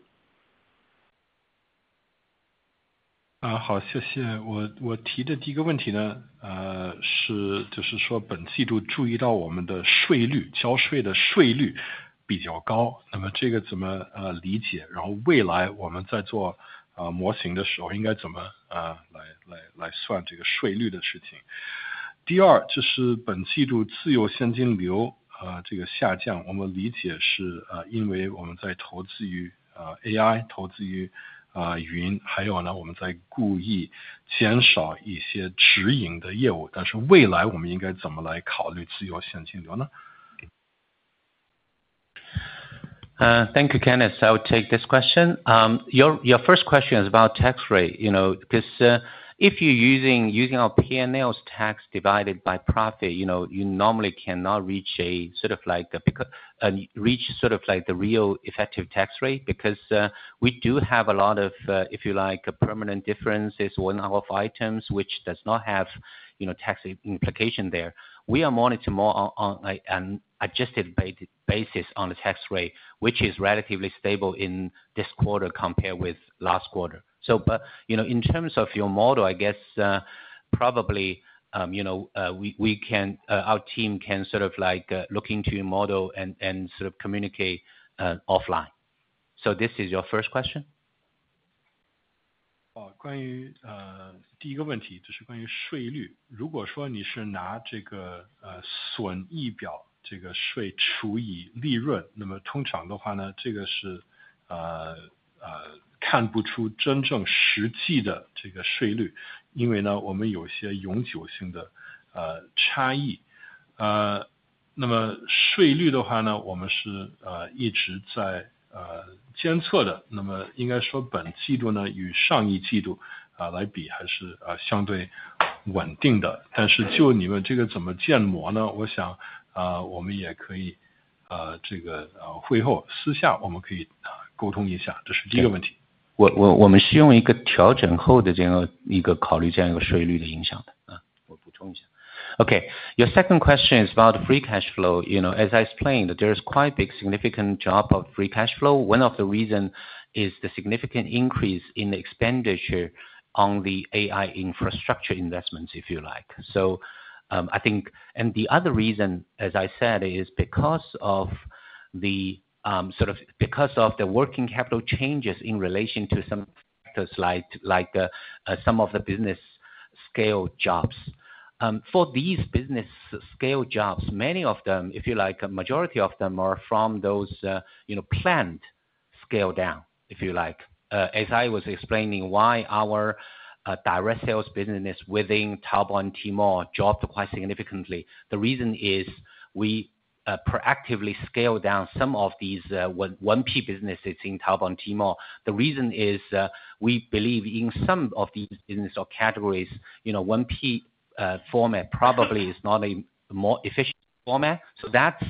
Thank you, Kenneth. I'll take this question. Your first question is about tax rate, you know, this if you using our PNL tax divided by profit, you know, you normally cannot reach sort of like the real effective tax rate, because we do have a lot of, if you like, permanent differences when our items which does not have, you know, tax implication there. We are monitoring more on, like an adjusted basis on the tax rate, which is relatively stable in this quarter compared with last quarter. So but, you know, in terms of your model, I guess, probably, you know, we can, our team can sort of like, look into your model and sort of communicate offline. So this is your first question? 我们是用一个调整后的这样一个考虑，这样一个税率的影响的，我补充一下。OK, your second question is about Free Cash Flow, you know, as I explained, there is quite a big significant drop of Free Cash Flow. One of the reason is the significant increase in the expenditure on the AI infrastructure investments, if you like. So, I think... and the other reason, as I said, is because of the sort of because of the working capital changes in relation to some factors like some of the business scale-downs. For these business scale-downs, many of them, if you like, majority of them are from those, you know, planned scale-down, if you like. As I was explaining why our direct sales business within Taobao, Tmall dropped quite significantly. The reason is we proactively scaled down some of these 1P businesses in Taobao, Tmall. The reason is we believe in some of these business or categories, you know, 1P format probably is not a more efficient format, so that's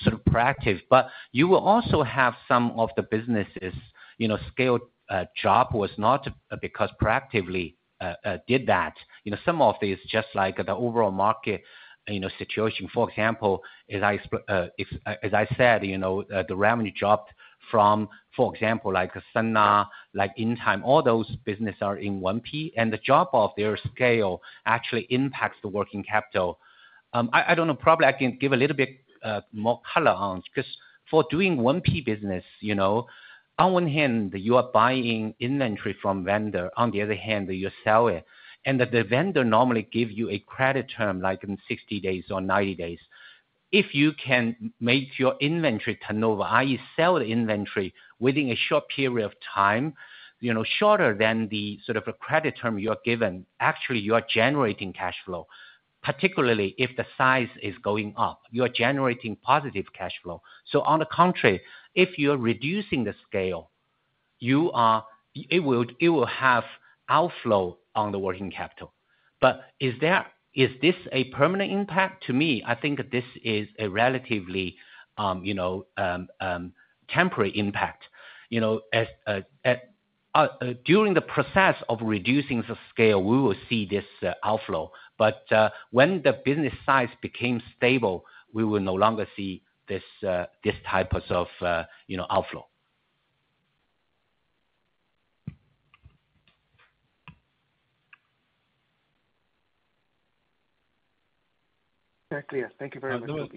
sort of proactive. But you will also have some of the businesses, you know, scale-down was not because proactively did that. You know, some of these just like the overall market, you know, situation. For example, as I said, you know, the revenue dropped from, for example, like Sun Art, like Intime, all those businesses are in 1P, and the drop of their scale actually impacts the working capital. I don't know, probably I can give a little bit more color on, because for doing 1P business, you know, on one hand, you are buying inventory from vendor, on the other hand, you sell it, and that the vendor normally give you a credit term, like in 60 days or 90 days. If you can make your inventory turnover, i.e. sell the inventory within a short period of time, you know, shorter than the sort of a credit term you are given, actually you are generating cash flow, particularly if the size is going up, you are generating positive cash flow. So on the contrary, if you are reducing the scale, you are, it will, it will have outflow on the working capital. But is there, is this a permanent impact? To me, I think this is a relatively, you know, temporary impact. You know, as, at, during the process of reducing the scale, we will see this, outflow, but when the business size became stable, we will no longer see this, this type of, you know, outflow. Very clear, thank you very much.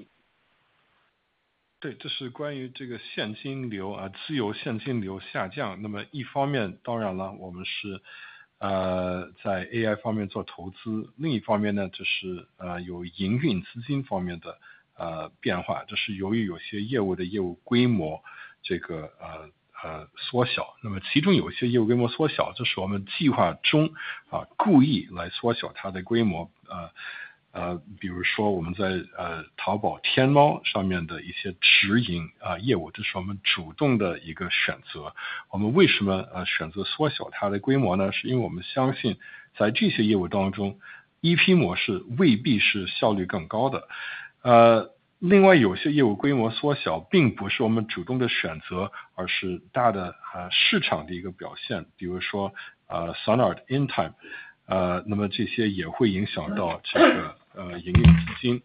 对，这是关于这个现金流，自由现金流下降。那么一方面当然了，我们是在AI方面做投资，另一方面呢，就是有营运资金方面的变化，这是由于有些业务的业务规模缩小，那么其中有一些业务规模缩小，这是我们计划中，故意来缩小它的规模。比如说我们在淘宝、天猫上面的有些直营业务，这是我们主动的一个选择。我们为什么选择缩小它的规模呢？是因为我们相信在这些业务当中，EP模式未必是效率更高的。另外有些业务规模缩小并不是我们主动的选择，而是大的，市场的一个表现。比如说Sun Art, Intime，那么这些也会影响到这个营运资金。...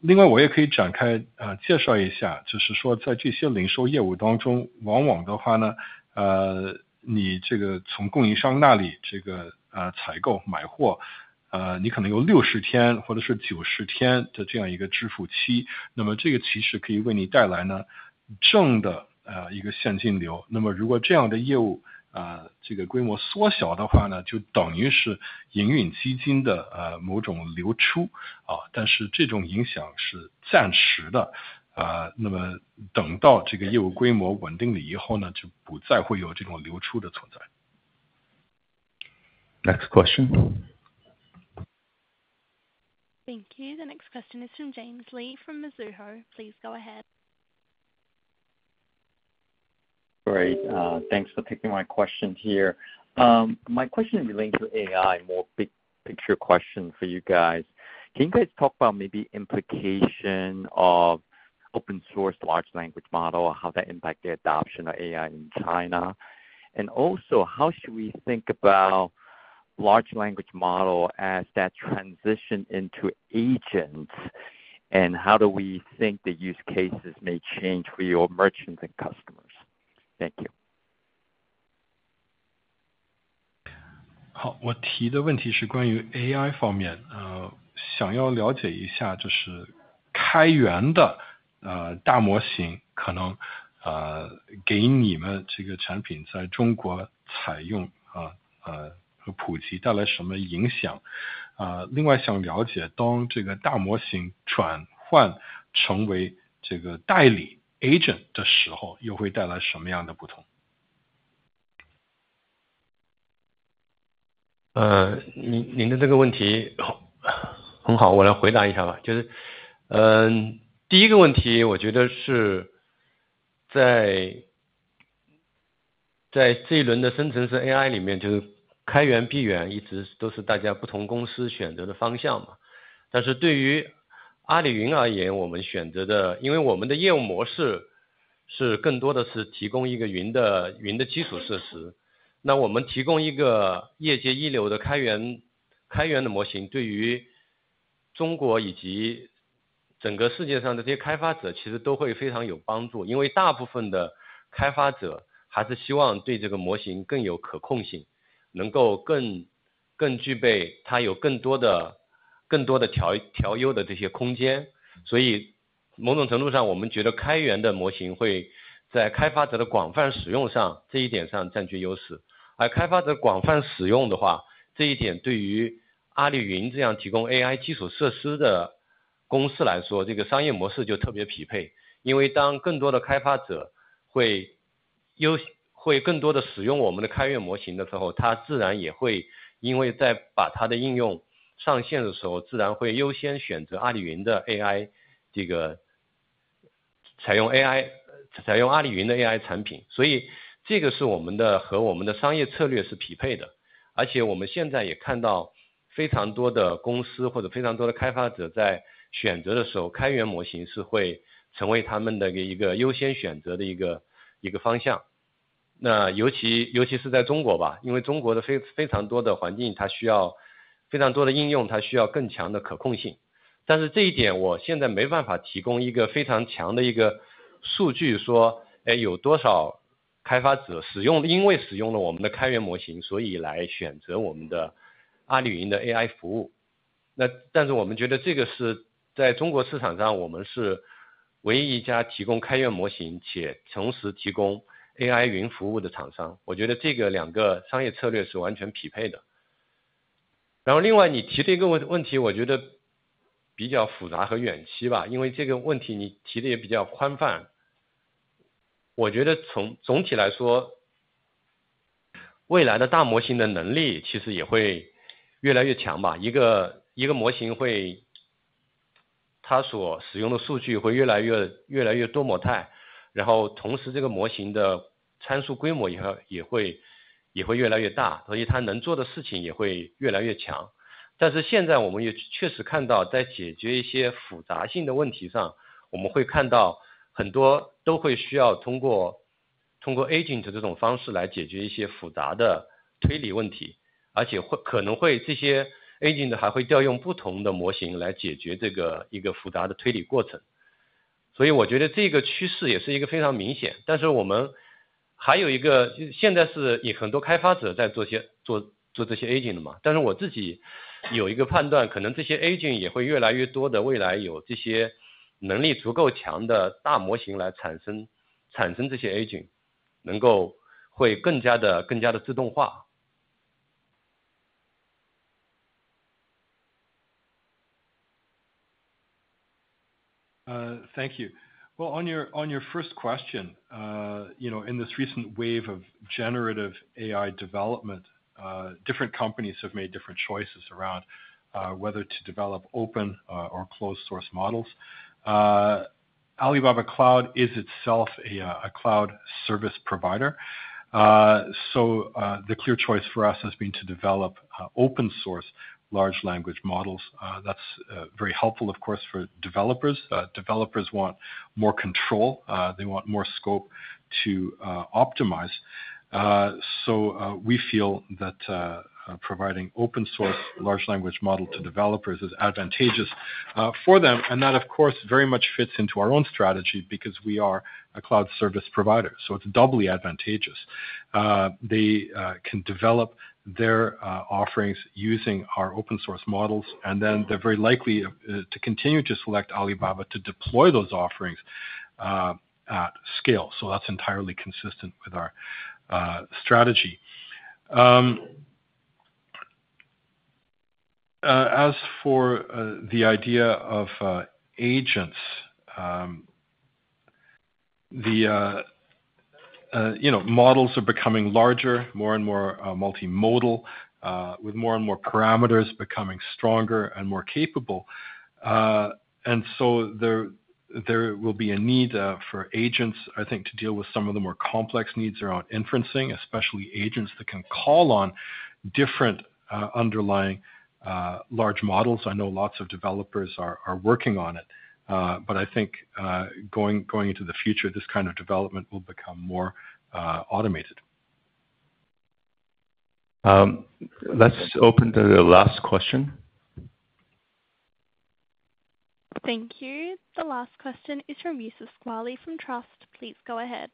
另外，我也可以展开，介绍一下，就是说在这些零售业务当中，往往的话呢，你这个从供应商那里这个，采购买货，你可能有60天或者是90天的这样的一个支付期，那么这个其实可以为你带来呢，正的，一个现金流。那么，如果这样的业务，这个规模缩小的呢，就等于运营资金的某种流出。但是，这种影响是暂时的，那么等到这个业务规模稳定了以后呢，就不再会有这种流出的存在。Next question. Thank you. The next question is from James Lee from Mizuho. Please go ahead. Great, thanks for taking my question here. My question is related to AI more big picture question for you guys. Can you guys talk about maybe implication of open source large language model or how that impact the adoption of AI in China? And also how should we think about large language model as that transition into agents, and how do we think the use cases may change for your merchants and customers? Thank you. 好，我提的问题是关于AI方面，想要了解一下，就是开源的，大模型，可能，给你们这个产品在中国的采用啊，和普及带来什么影响？另外想要了解，当这个大模型转换成这个代理agent的时候，又会带来什么样的不同？ Thank you. Well, on your first question. You know, in this recent wave of generative AI development, different companies have made different choices around whether to develop open or closed source models. Alibaba Cloud is itself a cloud service provider. So, the clear choice for us has been to develop open source large language models. That's very helpful, of course, for developers. Developers want more control. They want more scope-... to optimize. So, we feel that providing open source large language model to developers is advantageous for them. And that, of course, very much fits into our own strategy because we are a cloud service provider, so it's doubly advantageous. They can develop their offerings using our open source models, and then they're very likely to continue to select Alibaba to deploy those offerings at scale. So that's entirely consistent with our strategy. As for the idea of agents, you know, models are becoming larger, more and more multimodal, with more and more parameters becoming stronger and more capable. And so there will be a need for agents, I think, to deal with some of the more complex needs around inferencing, especially agents that can call on different underlying large models. I know lots of developers are working on it, but I think going into the future, this kind of development will become more automated. Let's open to the last question. Thank you. The last question is from Youssef Squali from Truist. Please go ahead.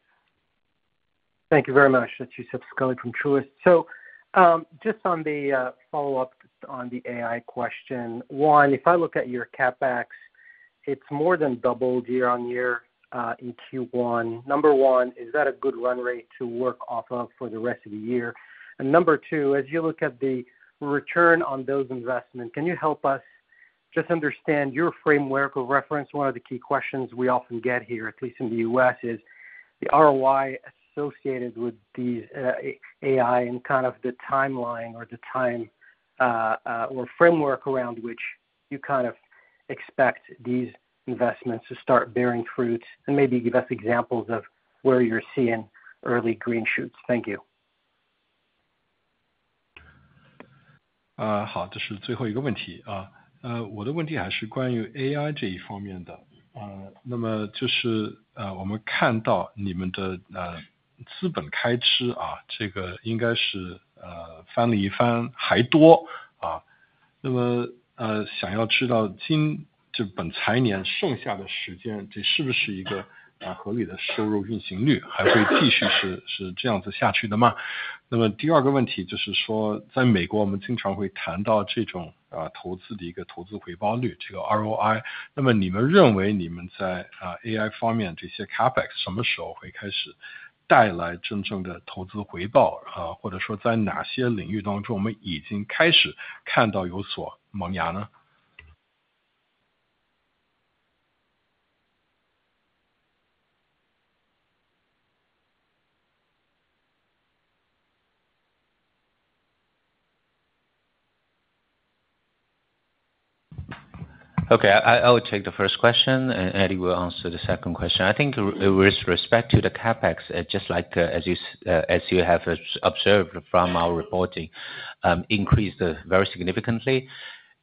Thank you very much. It's Youssef Squali from Truist Securities. So, just on the follow-up on the AI question. One, if I look at your CapEx, it's more than doubled year-over-year in Q1. Number one, is that a good run rate to work off of for the rest of the year? And number two, as you look at the return on those investments, can you help us just understand your framework of reference? One of the key questions we often get here, at least in the U.S., is the ROI associated with these AI and kind of the timeline or the time or framework around which you kind of expect these investments to start bearing fruit, and maybe give us examples of where you're seeing early green shoots. Thank you. 这是最后一个问题，我的问題还是关于AI这一方面的，那么就是，我们看到你们的资本开支啊，这个应该是翻了一番还多啊，那么，想要知道今... Okay. I will take the first question, and Eddie will answer the second question. I think with respect to the CapEx, just like, as you have observed from our reporting, increased very significantly.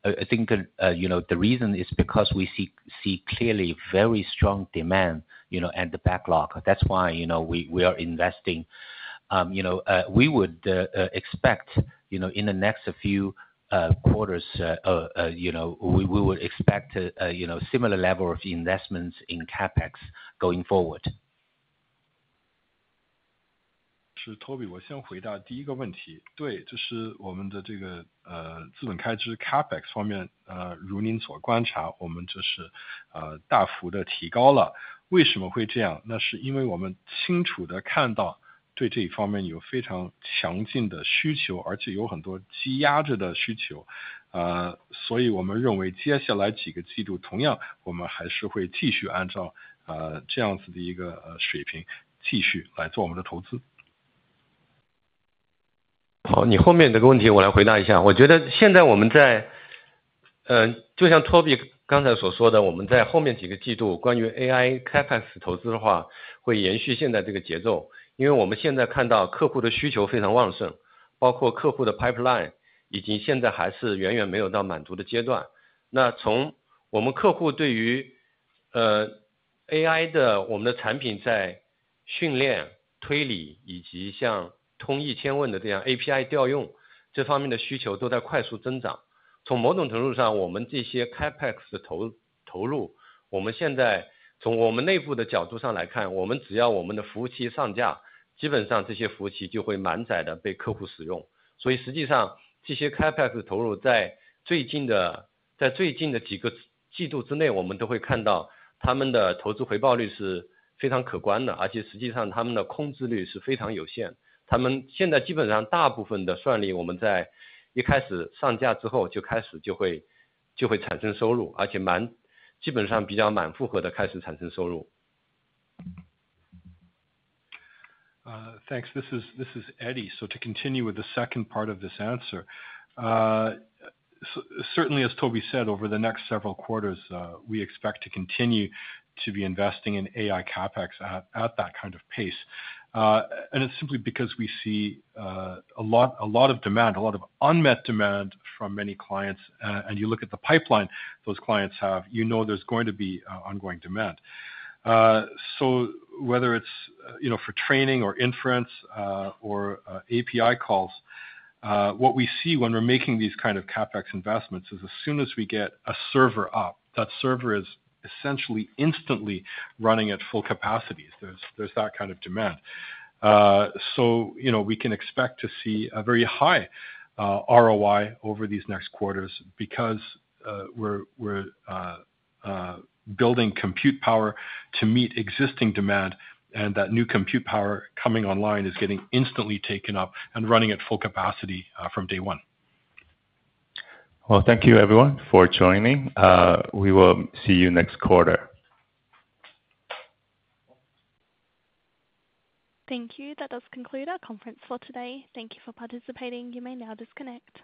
I think, you know, the reason is because we see clearly very strong demand, you know, and the backlog. That's why, you know, we are investing. You know, we would expect, you know, in the next few quarters, you know, we would expect, you know, similar level of investments in CapEx going forward. 是 Toby，我先回答第一个问题。对，这是我们的这个资本开支 CapEx 基本上比较满负荷地开始产生收入。Thanks. This is Eddie. So to continue with the second part of this answer. Certainly, as Toby said, over the next several quarters, we expect to continue to be investing in AI CapEx at that kind of pace. And it's simply because we see a lot of demand, a lot of unmet demand from many clients. And you look at the pipeline those clients have, you know, there's going to be ongoing demand. So whether it's, you know, for training or inference, or API calls, what we see when we're making these kind of CapEx investments is, as soon as we get a server up, that server is essentially instantly running at full capacity. There's that kind of demand. So, you know, we can expect to see a very high ROI over these next quarters because we're building compute power to meet existing demand, and that new compute power coming online is getting instantly taken up and running at full capacity from day one. Well, thank you everyone for joining. We will see you next quarter. Thank you. That does conclude our conference for today. Thank you for participating. You may now disconnect.